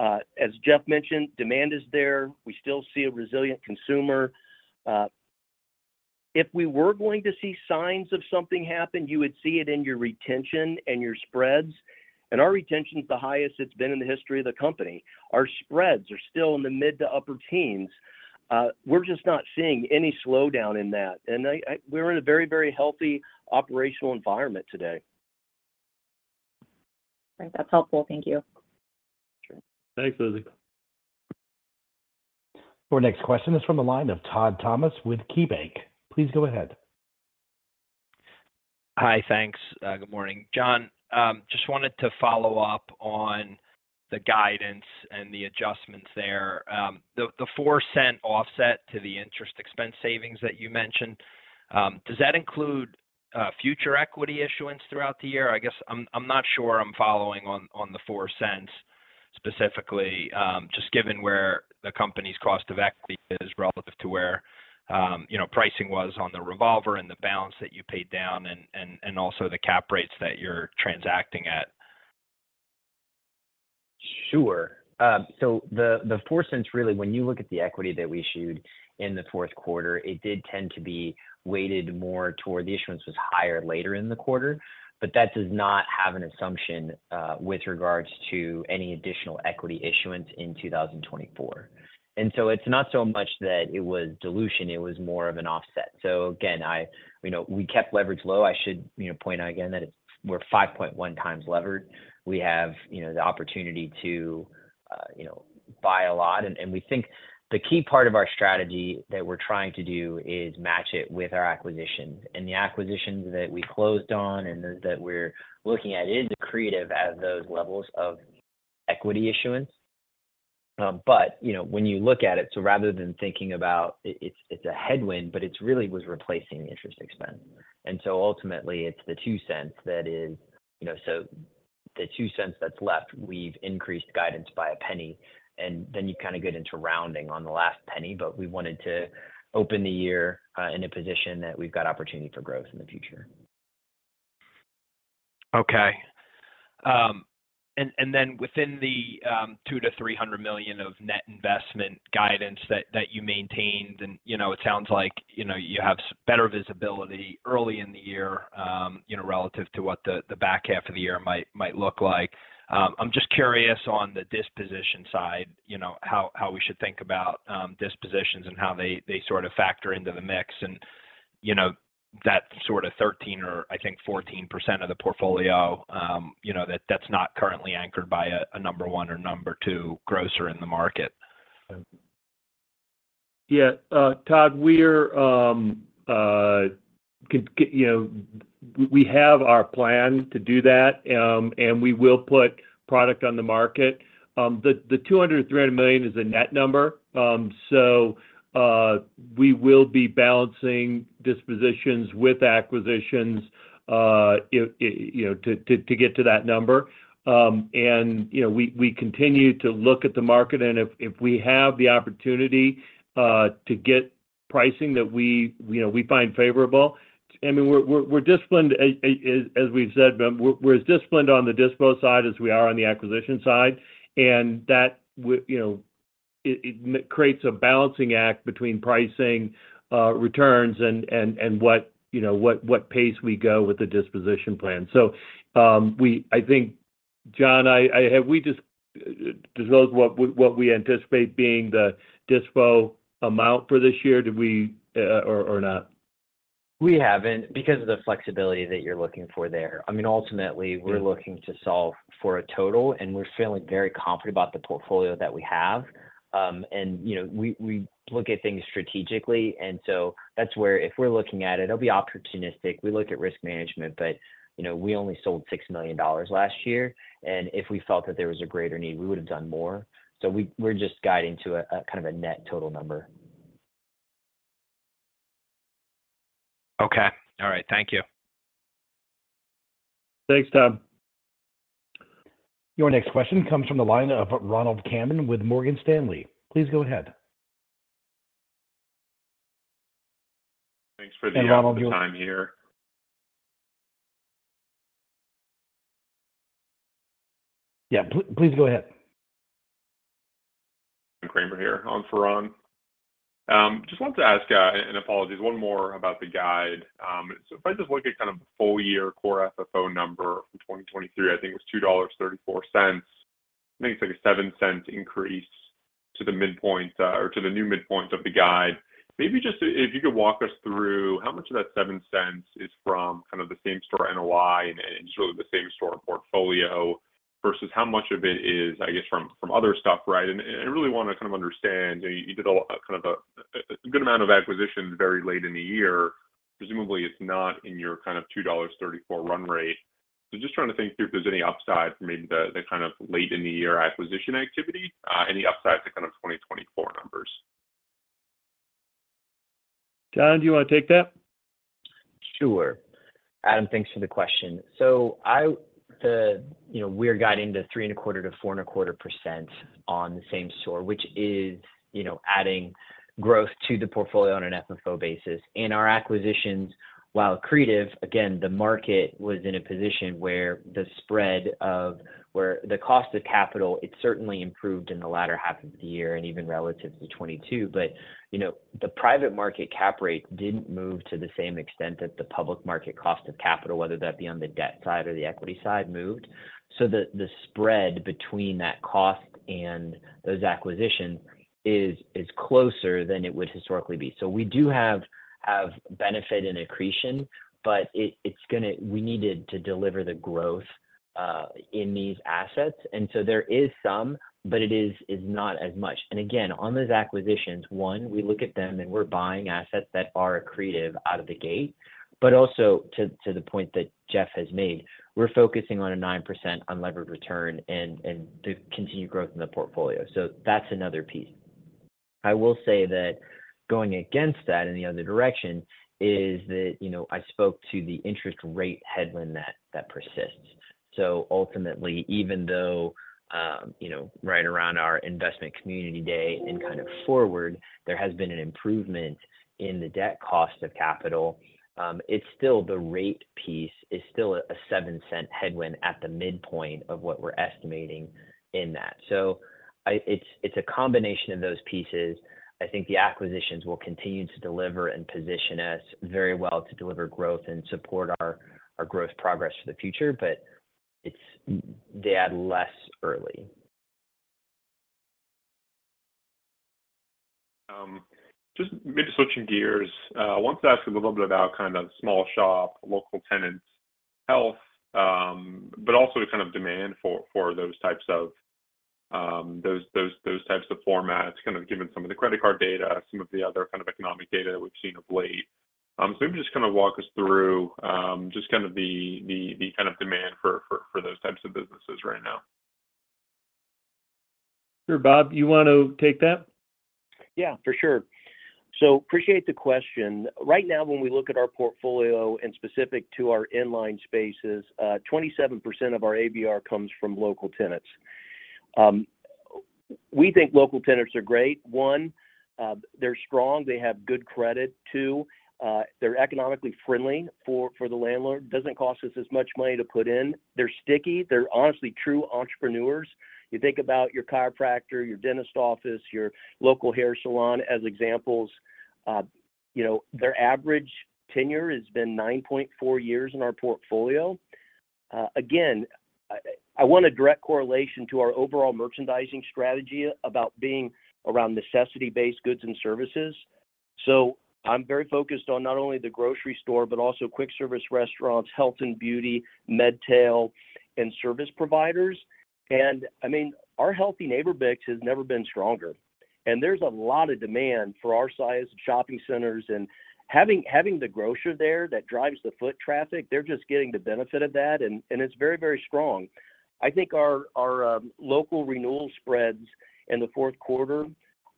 As Jeff mentioned, demand is there. We still see a resilient consumer. If we were going to see signs of something happen, you would see it in your retention and your spreads, and our retention is the highest it's been in the history of the company. Our spreads are still in the mid- to upper teens. We're just not seeing any slowdown in that, and we're in a very, very healthy operational environment today. Great. That's helpful. Thank you. Sure. Thanks, Lizzie. Our next question is from the line of Todd Thomas with KeyBank. Please go ahead. Hi. Thanks. Good morning. John, just wanted to follow up on the guidance and the adjustments there. The $0.04 offset to the interest expense savings that you mentioned, does that include future equity issuance throughout the year? I guess I'm not sure I'm following on the $0.04 specifically, just given where the company's cost of equity is relative to where, you know, pricing was on the revolver and the balance that you paid down, and also the cap rates that you're transacting at. Sure. So the $0.04, really, when you look at the equity that we issued in the fourth quarter, it did tend to be weighted more toward the issuance was higher later in the quarter, but that does not have an assumption with regards to any additional equity issuance in 2024. And so it's not so much that it was dilution, it was more of an offset. So again, I-- you know, we kept leverage low. I should, you know, point out again that it's, we're 5.1x levered. We have, you know, the opportunity to, you know, buy a lot, and we think the key part of our strategy that we're trying to do is match it with our acquisitions. The acquisitions that we closed on and that, that we're looking at is accretive at those levels of equity issuance. But, you know, when you look at it, so rather than thinking about it's a headwind, but it's really was replacing the interest expense. And so ultimately, it's the $0.02 that is, you know. So the $0.02 that's left, we've increased guidance by $0.01, and then you kind of get into rounding on the last $0.01, but we wanted to open the year in a position that we've got opportunity for growth in the future. Okay. And then within the $200 million-$300 million of net investment guidance that you maintained, and you know, it sounds like you know, you have better visibility early in the year, you know, relative to what the back half of the year might look like. I'm just curious on the disposition side, you know, how we should think about dispositions and how they sort of factor into the mix and you know, that sort of 13% or I think 14% of the portfolio, you know, that that's not currently anchored by a number one or number two grocer in the market. Yeah, Todd, we could get, you know. We have our plan to do that, and we will put product on the market. The $200 million-$300 million is a net number. So, we will be balancing dispositions with acquisitions, you know, to get to that number. And, you know, we continue to look at the market, and if we have the opportunity to get pricing that we, you know, find favorable, I mean, we're disciplined, as we've said, but we're as disciplined on the dispo side as we are on the acquisition side, and that, you know, it creates a balancing act between pricing, returns and what, you know, what pace we go with the disposition plan. So, I think, John, have we disclose what we anticipate being the dispo amount for this year? Did we, or not? We haven't because of the flexibility that you're looking for there. I mean, ultimately we're looking to solve for a total, and we're feeling very confident about the portfolio that we have. And, you know, we look at things strategically, and so that's where if we're looking at it, it'll be opportunistic. We look at risk management, but, you know, we only sold $6 million last year, and if we felt that there was a greater need, we would have done more. So we're just guiding to a kind of a net total number. Okay. All right. Thank you. Thanks, Todd. Your next question comes from the line of Kramer with Morgan Stanley. Please go ahead. Thanks for the--- Ronald, you-- I am here. Yeah, please go ahead. Kramer here. On for Ron. Just wanted to ask, and apologies, one more about the guide. So if I just look at kind of the full year core FFO number from 2023, I think it was $2.34. I think it's like a $0.07 increase to the midpoint, or to the new midpoint of the guide. Maybe just if you could walk us through how much of that $0.07 is from kind of the same store NOI and just really the same store portfolio? Versus how much of it is, I guess, from, from other stuff, right? And, and I really want to kind of understand, you did a, kind of a, a good amount of acquisitions very late in the year. Presumably, it's not in your kind of $2.34 run rate. So just trying to think through if there's any upside from maybe the kind of late in the year acquisition activity, any upside to kind of 2024 numbers. John, do you want to take that? Sure. Adam, thanks for the question. So the, you know, we're guiding to 3.25%-4.25% on the same store, which is, you know, adding growth to the portfolio on an FFO basis. In our acquisitions, while accretive, again, the market was in a position where the spread where the cost of capital, it certainly improved in the latter half of the year and even relative to 2022. But, you know, the private market cap rate didn't move to the same extent that the public market cost of capital, whether that be on the debt side or the equity side, moved. So the spread between that cost and those acquisitions is closer than it would historically be. So we do have benefit and accretion, but it's gonna we needed to deliver the growth in these assets. So there is some, but it is. It's not as much. Again, on those acquisitions, we look at them and we're buying assets that are accretive out of the gate. But also, to the point that Jeff has made, we're focusing on a 9% unlevered return and the continued growth in the portfolio. So that's another piece. I will say that going against that in the other direction is that, you know, I spoke to the interest rate headwind that persists. So ultimately, even though, you know, right around our investment community day and kind of forward, there has been an improvement in the debt cost of capital. It's still the rate piece is still a $0.07 headwind at the midpoint of what we're estimating in that. So it's a combination of those pieces. I think the acquisitions will continue to deliver and position us very well to deliver growth and support our growth progress for the future, but they add less early. Just maybe switching gears. I want to ask a little bit about kind of small shop, local tenants' health, but also kind of demand for those types of formats, kind of given some of the credit card data, some of the other kind of economic data that we've seen of late. So maybe just kind of walk us through just kind of the kind of demand for those types of businesses right now. Sure. Bob, you want to take that? Yeah, for sure. So appreciate the question. Right now, when we look at our portfolio and specific to our inline spaces, 27% of our ABR comes from local tenants. We think local tenants are great. One, they're strong, they have good credit. Two, they're economically friendly for the landlord. Doesn't cost us as much money to put in. They're sticky. They're honestly true entrepreneurs. You think about your chiropractor, your dentist office, your local hair salon as examples. You know, their average tenure has been 9.4 years in our portfolio. Again, I want a direct correlation to our overall merchandising strategy about being around necessity-based goods and services. So I'm very focused on not only the grocery store, but also quick service restaurants, health and beauty, MedTail, and service providers. I mean, our healthy neighbor mix has never been stronger, and there's a lot of demand for our size shopping centers. Having the grocer there that drives the foot traffic, they're just getting the benefit of that, and it's very, very strong. I think our local renewal spreads in the fourth quarter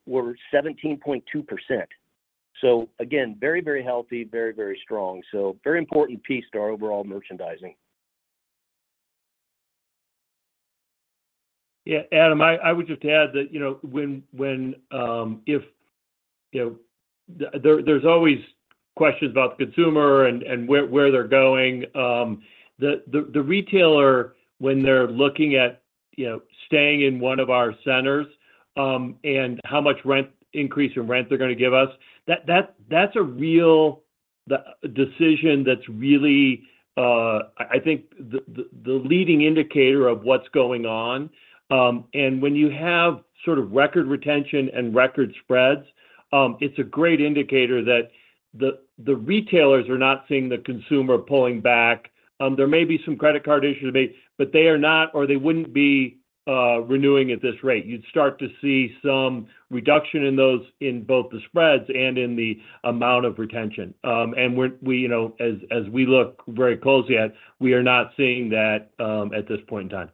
were 17.2%. So again, very, very healthy, very, very strong. So very important piece to our overall merchandising. Yeah, Adam, I would just add that, you know, when, if you know, there's always questions about the consumer and where they're going. The retailer, when they're looking at, you know, staying in one of our centers, and how much rent increase or rent they're going to give us, that's a real decision that's really--I think the leading indicator of what's going on. And when you have sort of record retention and record spreads, it's a great indicator that the retailers are not seeing the consumer pulling back. There may be some credit card issue debates, but they are not, or they wouldn't be, renewing at this rate. You'd start to see some reduction in those, in both the spreads and in the amount of retention. You know, as we look very closely at, we are not seeing that at this point in time.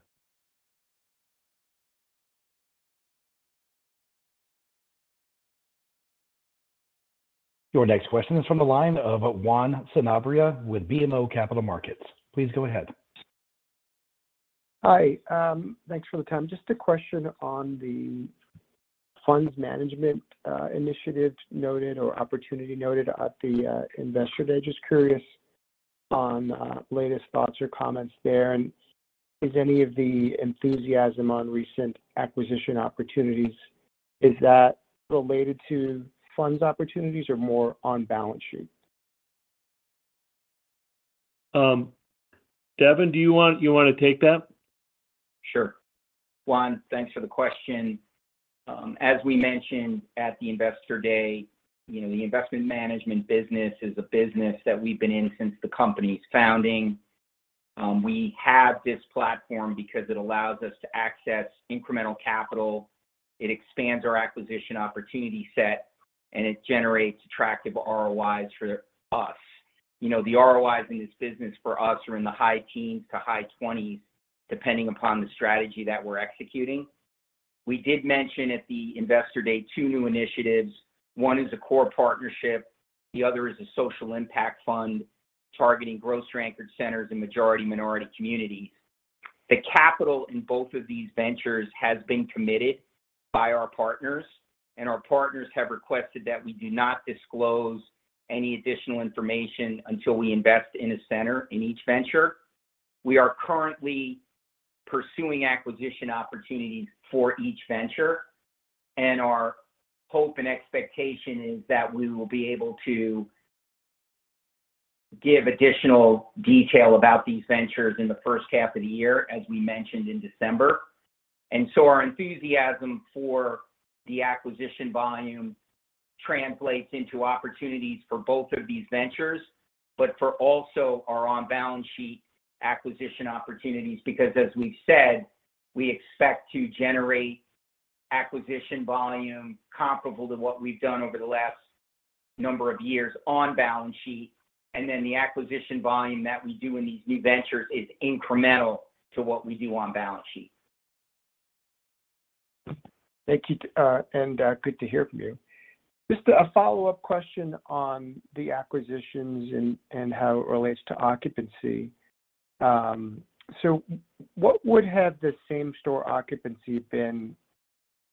Your next question is from the line of Juan Sanabria with BMO Capital Markets. Please go ahead. Hi. Thanks for the time. Just a question on the funds management initiative noted or opportunity noted at the investor day. Just curious on latest thoughts or comments there. And is any of the enthusiasm on recent acquisition opportunities, is that related to funds opportunities or more on balance sheet? Devin, you want to take that? Sure. Juan, thanks for the question. As we mentioned at the Investor Day, you know, the investment management business is a business that we've been in since the company's founding. We have this platform because it allows us to access incremental capital, it expands our acquisition opportunity set, and it generates attractive ROIs for us. You know, the ROIs in this business for us are in the high teens to high twenties, depending upon the strategy that we're executing. We did mention at the Investor Day, two new initiatives. One is a core partnership, the other is a social impact fund, targeting grocery-anchored centers in majority minority communities. The capital in both of these ventures has been committed by our partners, and our partners have requested that we do not disclose any additional information until we invest in a center in each venture. We are currently pursuing acquisition opportunities for each venture, and our hope and expectation is that we will be able to give additional detail about these ventures in the first half of the year, as we mentioned in December. And so our enthusiasm for the acquisition volume translates into opportunities for both of these ventures, but for also our on-balance sheet acquisition opportunities, because as we've said, we expect to generate acquisition volume comparable to what we've done over the last number of years on balance sheet. And then the acquisition volume that we do in these new ventures is incremental to what we do on balance sheet. Thank you, and good to hear from you. Just a follow-up question on the acquisitions and how it relates to occupancy. So what would have the same store occupancy been?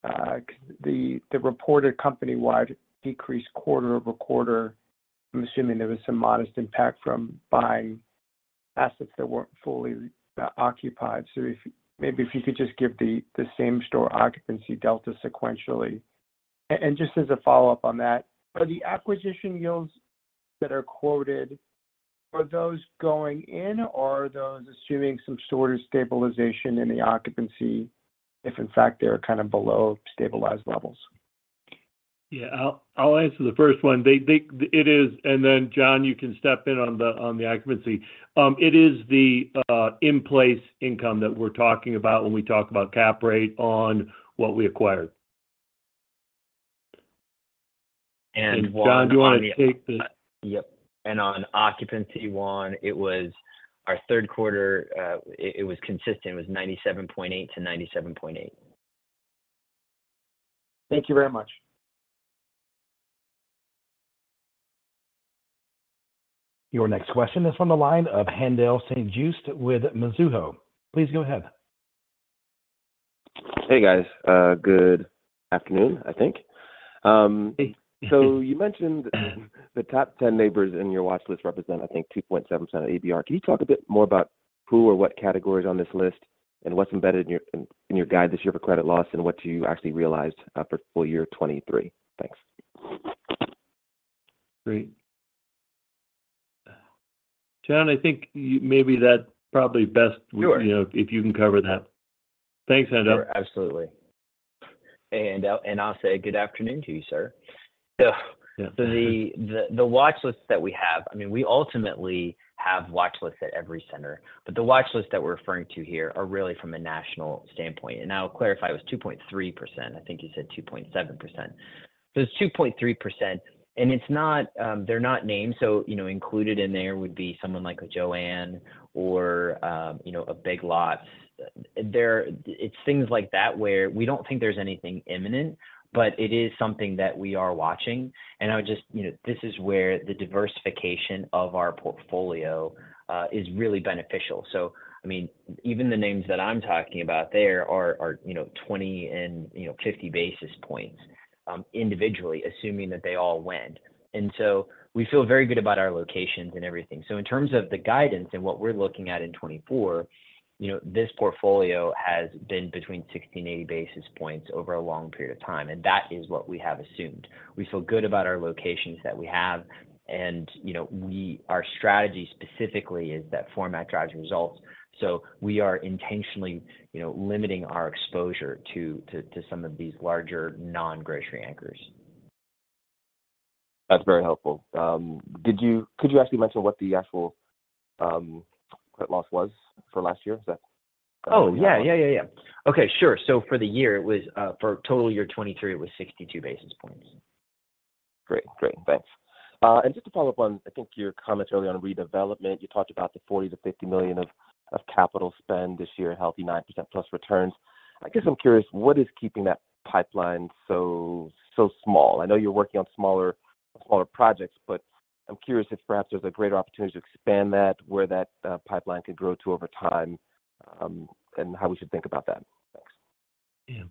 'Cause the reported company-wide decreased quarter-over-quarter, I'm assuming there was some modest impact from buying assets that weren't fully occupied. Maybe if you could just give the same store occupancy delta sequentially. And just as a follow-up on that, are the acquisition yields that are quoted, are those going in, or are those assuming some sort of stabilization in the occupancy, if in fact, they're kind of below stabilized levels? Yeah. I'll answer the first one. It is, and then, John, you can step in on the occupancy. It is the in-place income that we're talking about when we talk about cap rate on what we acquired. And, Juan-- And John, do you want to take the- Yeah, and on occupancy, Juan, it was our third quarter. It was consistent. It was 97.8%-97.8%. Thank you very much. Your next question is on the line of Haendel St. Juste with Mizuho. Please go ahead. Hey, guys. Good afternoon, I think. Hey. So you mentioned the top ten neighbors in your watchlist represent, I think, 2.7% of ABR. Can you talk a bit more about who or what categories on this list, and what's embedded in your guide this year for credit loss, and what you actually realized for full year 2023? Thanks. Great. John, I think maybe that probably best-- Sure. --you know, if you can cover that. Thanks, Haendel. Sure, absolutely. I'll say good afternoon to you, sir. So- Yeah. The watch lists that we have, I mean, we ultimately have watch lists at every center, but the watch lists that we're referring to here are really from a national standpoint. I'll clarify, it was 2.3%. I think you said 2.7%. So it's 2.3%, and it's not--they're not named, so, you know, included in there would be someone like a JOANN or, you know, a Big Lots. There, it's things like that, where we don't think there's anything imminent, but it is something that we are watching. And I would just, you know, this is where the diversification of our portfolio is really beneficial. So, I mean, even the names that I'm talking about there are, you know, 20 and, you know, 50 basis points, individually, assuming that they all went. We feel very good about our locations and everything. In terms of the guidance and what we're looking at in 2024, you know, this portfolio has been between 60 and 80 basis points over a long period of time, and that is what we have assumed. We feel good about our locations that we have, and, you know, our strategy specifically is that format drives results. We are intentionally, you know, limiting our exposure to some of these larger non-grocery anchors. That's very helpful. Could you actually mention what the actual credit loss was for last year? Is that- Oh, yeah, yeah, yeah. Okay, sure. So for the year, it was for total year 2023, it was 62 basis points. Great. Great, thanks. And just to follow up on, I think, your comments earlier on redevelopment. You talked about the $40 million-$50 million of capital spend this year, healthy 9%+ returns. I guess I'm curious, what is keeping that pipeline so small? I know you're working on smaller projects, but I'm curious if perhaps there's a greater opportunity to expand that, where that pipeline could grow to over time, and how we should think about that. Thanks. Yeah.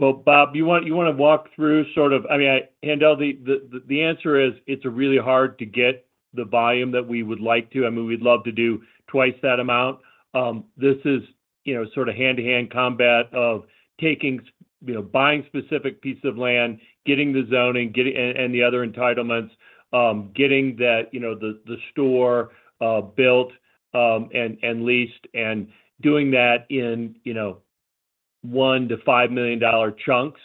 Well, Bob, you want, you wanna walk through sort of-- I mean, Haendel, the answer is, it's really hard to get the volume that we would like to. I mean, we'd love to do twice that amount. This is, you know, sort of hand-to-hand combat of taking, you know, buying specific pieces of land, getting the zoning and the other entitlements, getting that, you know, the store built and leased, and doing that in $1 million-$5 million chunks.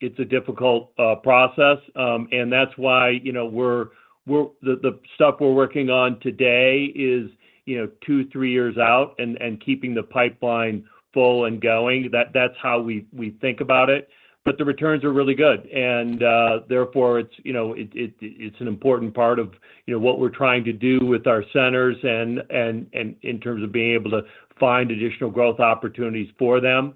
It's a difficult process, and that's why, you know, we're the stuff we're working on today is, you know, 2-3 years out and keeping the pipeline full and going. That's how we think about it. But the returns are really good, and therefore, it's, you know, it's an important part of, you know, what we're trying to do with our centers and in terms of being able to find additional growth opportunities for them.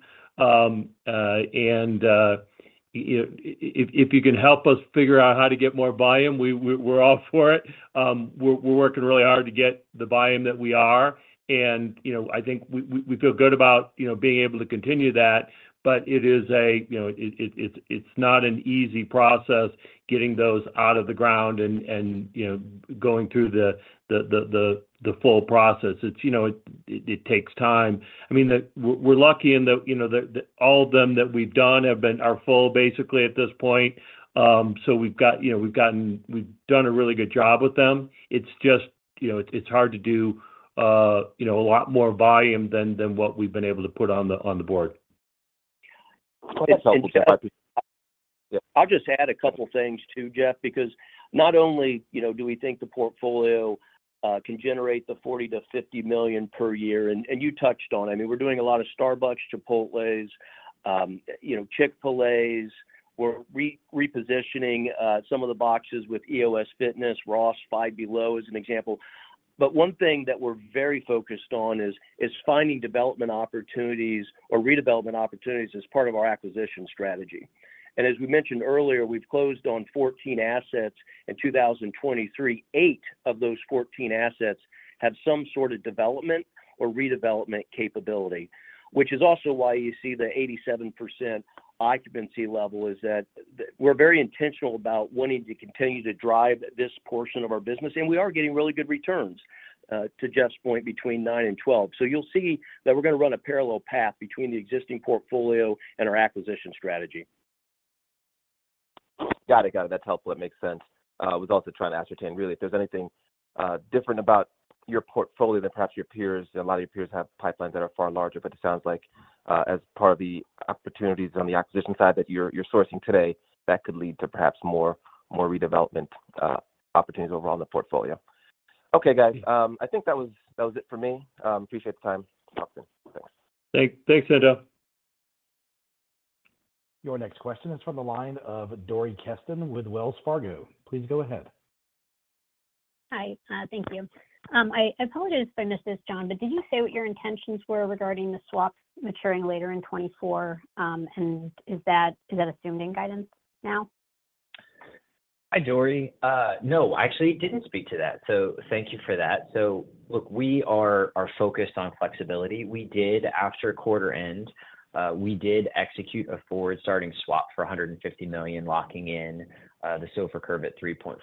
You know, if you can help us figure out how to get more volume, we're all for it. We're working really hard to get the volume that we are, and, you know, I think we feel good about, you know, being able to continue that. But it is, you know, it's not an easy process getting those out of the ground and going through the full process. It's, you know, it takes time. I mean, we're lucky in that, you know, that all of them that we've done have been, are full basically at this point. So we've got, you know, we've done a really good job with them. It's just, you know, it's hard to do, you know, a lot more volume than what we've been able to put on the board. That's helpful. I'll just add a couple of things too, Jeff, because not only, you know, do we think the portfolio can generate the $40 million-$50 million per year, and you touched on it. I mean, we're doing a lot of Starbucks, Chipotles, you know, Chick-fil-A's. We're repositioning some of the boxes with EoS Fitness, Ross, Five Below, as an example. But one thing that we're very focused on is finding development opportunities or redevelopment opportunities as part of our acquisition strategy. And as we mentioned earlier, we've closed on 14 assets in 2023. Eight of those 14 assets have some sort of development or redevelopment capability, which is also why you see the 87% occupancy level, is that we're very intentional about wanting to continue to drive this portion of our business, and we are getting really good returns, to Jeff's point, between 9 and 12. So you'll see that we're gonna run a parallel path between the existing portfolio and our acquisition strategy. Got it. That's helpful. It makes sense. I was also trying to ascertain really if there's anything different about your portfolio than perhaps your peers. A lot of your peers have pipelines that are far larger, but it sounds like as part of the opportunities on the acquisition side that you're sourcing today, that could lead to perhaps more, more redevelopment opportunities overall in the portfolio. Okay, guys, I think that was, that was it for me. Appreciate the time. Talk soon. Thanks. Thanks, Haendel. Your next question is from the line of Dori Kesten with Wells Fargo. Please go ahead. Hi. Thank you. I apologize if I missed this, John, but did you say what your intentions were regarding the swaps maturing later in 2024? Is that assumed in guidance now? Hi, Dori. No, I actually didn't speak to that, so thank you for that. So look, we are focused on flexibility. We did after quarter end, we did execute a forward-starting swap for $150 million, locking in the SOFR curve at 3.45%.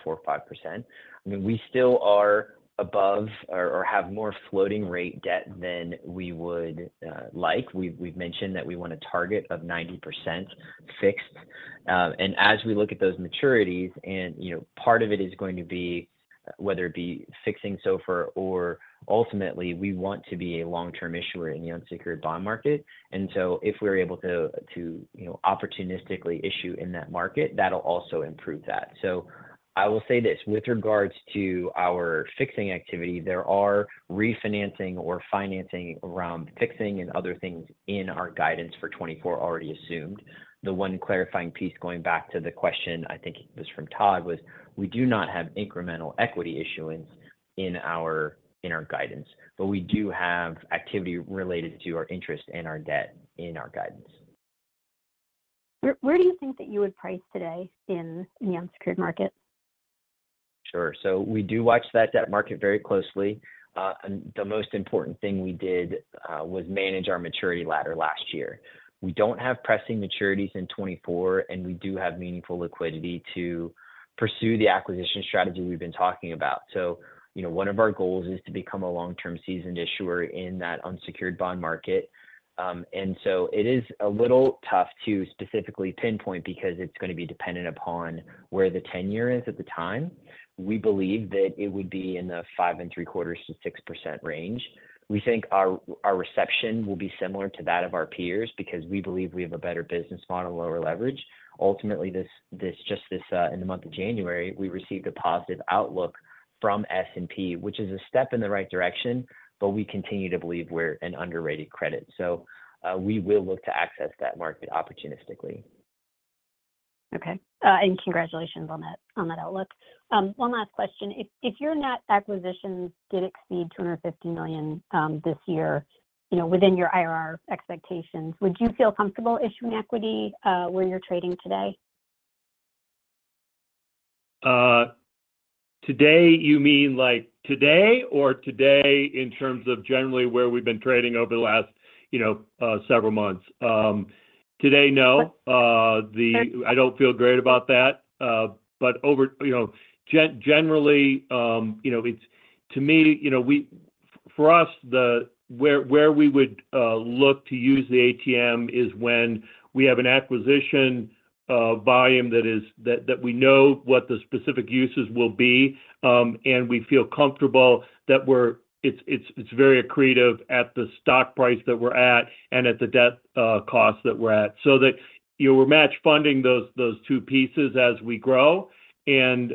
I mean, we still are above or have more floating-rate debt than we would like. We've mentioned that we want a target of 90% fixed. And as we look at those maturities, and you know, part of it is going to be whether it be fixing SOFR or ultimately, we want to be a long-term issuer in the unsecured bond market. And so if we're able to you know, opportunistically issue in that market, that'll also improve that. So, I will say this, with regards to our fixing activity, there are refinancing or financing around fixing and other things in our guidance for 2024 already assumed. The one clarifying piece, going back to the question, I think it was from Todd, was we do not have incremental equity issuance in our guidance, but we do have activity related to our interest and our debt in our guidance. Where do you think that you would price today in the unsecured market? Sure. So we do watch that debt market very closely, and the most important thing we did was manage our maturity ladder last year. We don't have pressing maturities in 2024, and we do have meaningful liquidity to pursue the acquisition strategy we've been talking about. So, you know, one of our goals is to become a long-term seasoned issuer in that unsecured bond market. And so it is a little tough to specifically pinpoint because it's gonna be dependent upon where the tenure is at the time. We believe that it would be in the 5.75%-6% range. We think our reception will be similar to that of our peers because we believe we have a better business model, lower leverage. Ultimately, in the month of January, we received a positive outlook from S&P, which is a step in the right direction, but we continue to believe we're an underrated credit, so we will look to access that market opportunistically. Okay. Congratulations on that, on that outlook. One last question. If your net acquisitions did exceed $250 million, this year, you know, within your IRR expectations, would you feel comfortable issuing equity, where you're trading today? Today, you mean like today or today in terms of generally where we've been trading over the last, you know, several months? Today, no. Sure. I don't feel great about that. But over, you know, generally, you know, it's to me, you know, for us, where we would look to use the ATM is when we have an acquisition volume that we know what the specific uses will be, and we feel comfortable that we're-- it's very accretive at the stock price that we're at and at the debt cost that we're at. So that, you know, we're match funding those two pieces as we grow and,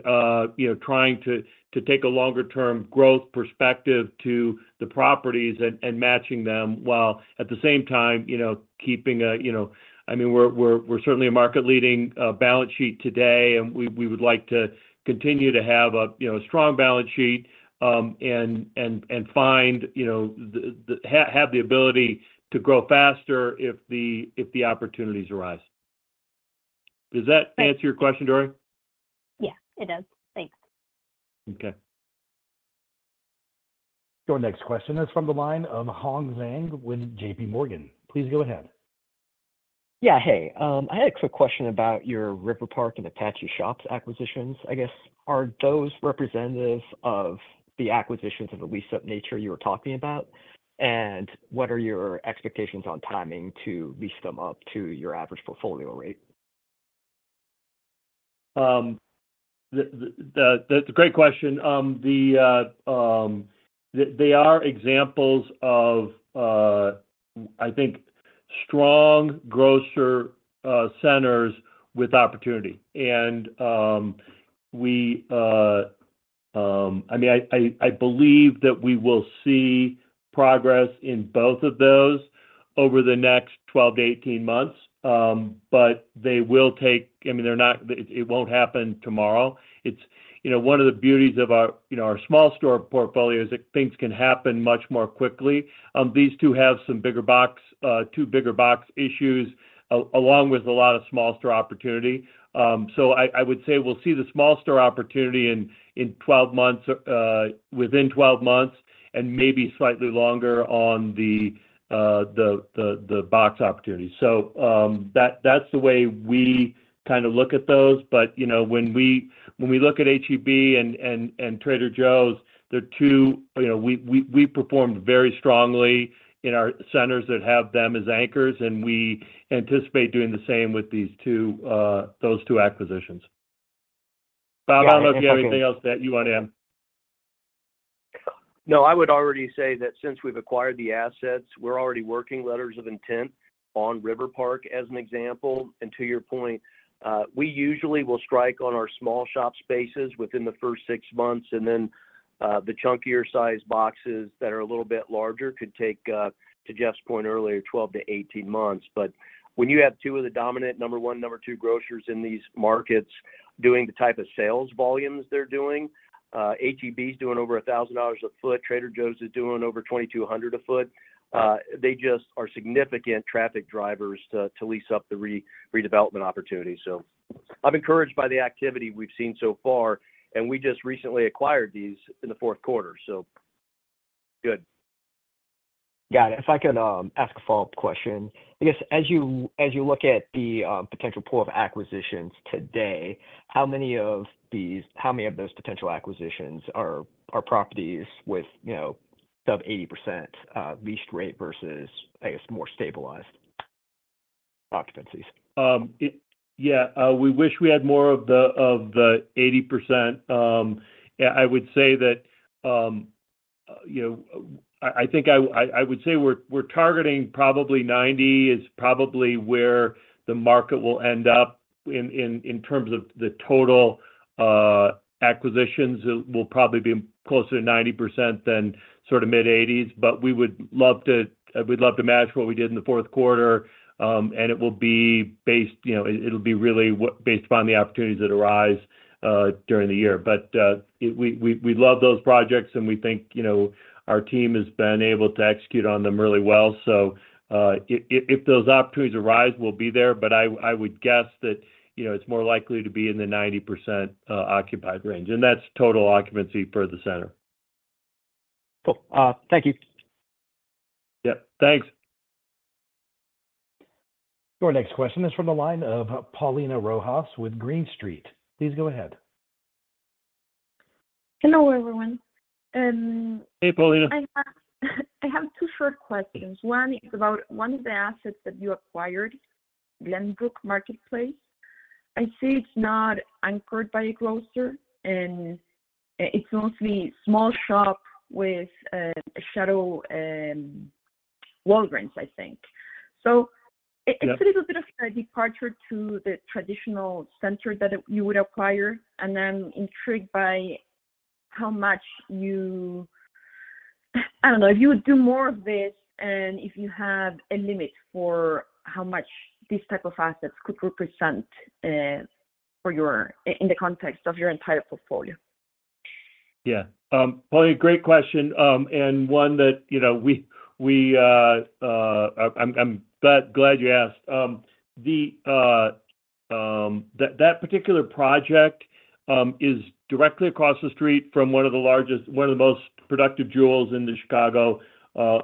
you know, trying to take a longer term growth perspective to the properties and matching them, while at the same time, you know, keeping a, you know-- I mean, we're certainly a market leading balance sheet today, and we would like to continue to have a, you know, a strong balance sheet, and find, you know, the ability to grow faster if the opportunities arise. Does that answer your question, Dori? Yeah, it does. Thanks. Okay. Your next question is from the line of Hong Zhang with JPMorgan. Please go ahead. Yeah, hey. I had a quick question about your River Park and Apache Shoppes acquisitions. I guess, are those representative of the acquisitions of the lease-up nature you were talking about? And what are your expectations on timing to lease them up to your average portfolio rate? That's a great question. They are examples of, I think, strong grocer centers with opportunity. I mean, I believe that we will see progress in both of those over the next 12-18 months. But they will take. I mean, they're not. It won't happen tomorrow. It's, you know, one of the beauties of our, you know, our small store portfolio is that things can happen much more quickly. These two have some bigger box two bigger box issues along with a lot of small store opportunity. So I would say we'll see the small store opportunity in 12 months, within 12 months, and maybe slightly longer on the box opportunity. So, that's the way we kind of look at those. But, you know, when we look at H-E-B and Trader Joe's, they're two- you know, we performed very strongly in our centers that have them as anchors, and we anticipate doing the same with these two, those two acquisitions. Bob, I don't know if you have anything else that you want to add? No, I would already say that since we've acquired the assets, we're already working letters of intent on River Park, as an example. And to your point, we usually will strike on our small shop spaces within the first six months, and then, the chunkier size boxes that are a little bit larger could take, to Jeff's point earlier, 12-18 months. But when you have two of the dominant number one, number two grocers in these markets doing the type of sales volumes they're doing, H-E-B is doing over $1,000/sq ft, Trader Joe's is doing over 2,200/sq ft. They just are significant traffic drivers to lease up the redevelopment opportunity. So I'm encouraged by the activity we've seen so far, and we just recently acquired these in the fourth quarter, so good. Got it. If I could ask a follow-up question. I guess, as you look at the potential pool of acquisitions today, how many of those potential acquisitions are properties with, you know, sub-80% leased rate versus, I guess, more stabilized occupancies? Yeah, we wish we had more of the 80%. Yeah, I would say that, you know, I would say we're targeting probably 90%, is probably where the market will end up in terms of the total acquisitions. It will probably be closer to 90% than sort of mid-80s, but we'd love to match what we did in the fourth quarter. And it will be based, you know, it'll be really based upon the opportunities that arise during the year. But we love those projects, and we think, you know, our team has been able to execute on them really well. So, if those opportunities arise, we'll be there, but I would guess that, you know, it's more likely to be in the 90% occupied range, and that's total occupancy for the center. Cool. Thank you. Yeah, thanks. Your next question is from the line of Paulina Rojas with Green Street. Please go ahead. Hello, everyone. Hey, Paulina. I have two short questions. One is about one of the assets that you acquired, Glenbrook Marketplace. I see it's not anchored by a grocer, and it's mostly small shop with a shadow Walgreens, I think. Yeah. So it's a little bit of a departure to the traditional center that you would acquire. And I'm intrigued by how much you-- I don't know, if you would do more of this, and if you have a limit for how much these type of assets could represent, for your, in the context of your entire portfolio. Yeah. Paulina, great question, and one that, you know, we, I'm glad you asked. That particular project is directly across the street from one of the largest, one of the most productive Jewels in the Chicago,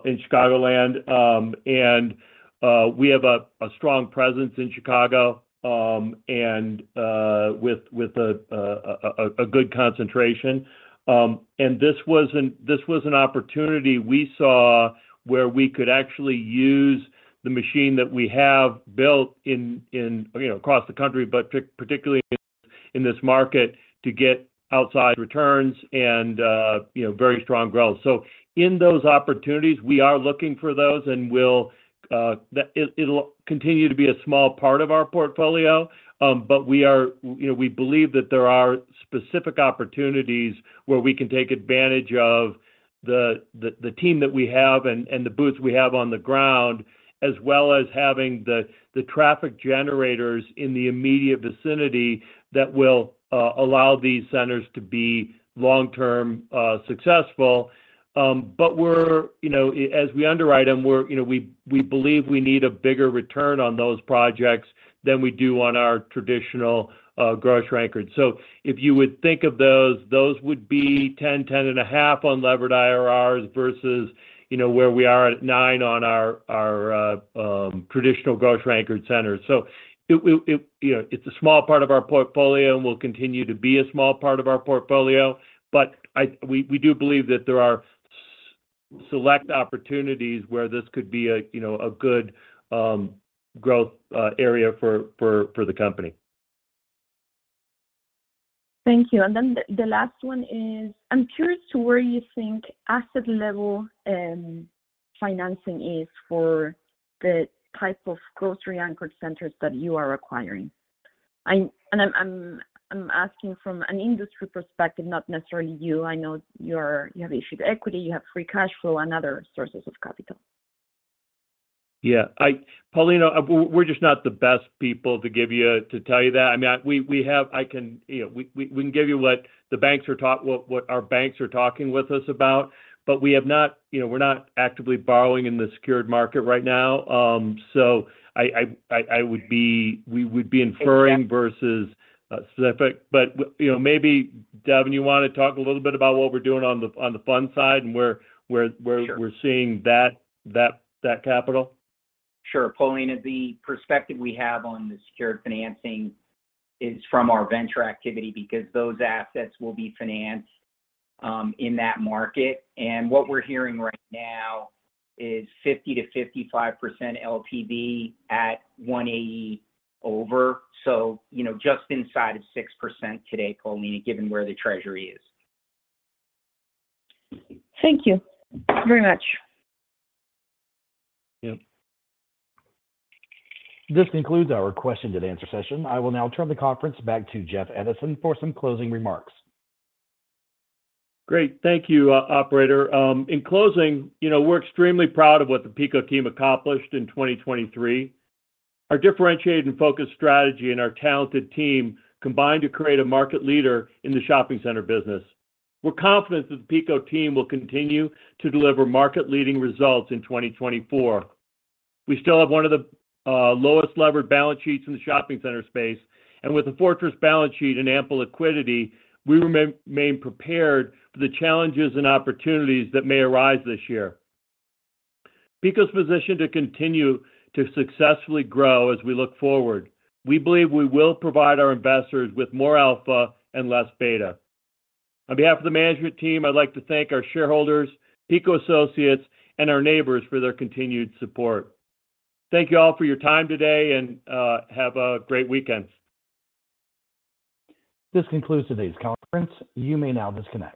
in Chicagoland. And we have a strong presence in Chicago, and with a good concentration. And this was an opportunity we saw where we could actually use the machine that we have built in, you know, across the country, but particularly in this market, to get outside returns and, you know, very strong growth. So in those opportunities, we are looking for those, and it'll continue to be a small part of our portfolio. But we are, you know, we believe that there are specific opportunities where we can take advantage of the team that we have and the boots we have on the ground, as well as having the traffic generators in the immediate vicinity that will allow these centers to be long-term successful. But we're, you know, as we underwrite them, we're, you know, we believe we need a bigger return on those projects than we do on our traditional grocery-anchored. So if you would think of those, those would be 10, 10.5 on levered IRRs versus, you know, where we are at 9 on our traditional grocery-anchored centers. So it, you know, it's a small part of our portfolio and will continue to be a small part of our portfolio. But we do believe that there are select opportunities where this could be a, you know, a good growth area for the company. Thank you. And then the last one is, I'm curious to where you think asset level financing is for the type of grocery-anchored centers that you are acquiring? And I'm asking from an industry perspective, not necessarily you. I know you're, you have issued equity, you have free cash flow and other sources of capital. Yeah, Paulina, we're just not the best people to give you, to tell you that. I mean, we have--I can, you know, we can give you what our banks are talking with us about, but we have not, you know, we're not actively borrowing in the secured market right now. So, we would be inferring- Exactly. Versus specific. But you know, maybe, Devin, you want to talk a little bit about what we're doing on the fund side and where Sure. We're seeing that capital? Sure. Paulina, the perspective we have on the secured financing is from our venture activity, because those assets will be financed in that market. What we're hearing right now is 50%-55% LTV at 1% over. So, you know, just inside of 6% today, Paulina, given where the Treasury is. Thank you very much. Yeah. This concludes our question-and-answer session. I will now turn the conference back to Jeff Edison for some closing remarks. Great. Thank you, operator. In closing, you know, we're extremely proud of what the PECO team accomplished in 2023. Our differentiated and focused strategy, and our talented team combined to create a market leader in the shopping center business. We're confident that the PECO team will continue to deliver market-leading results in 2024. We still have one of the lowest levered balance sheets in the shopping center space, and with a fortress balance sheet and ample liquidity, we remain prepared for the challenges and opportunities that may arise this year. PECO's positioned to continue to successfully grow as we look forward. We believe we will provide our investors with more alpha and less beta. On behalf of the management team, I'd like to thank our shareholders, PECO associates, and our neighbors for their continued support. Thank you all for your time today, and have a great weekend. This concludes today's conference. You may now disconnect.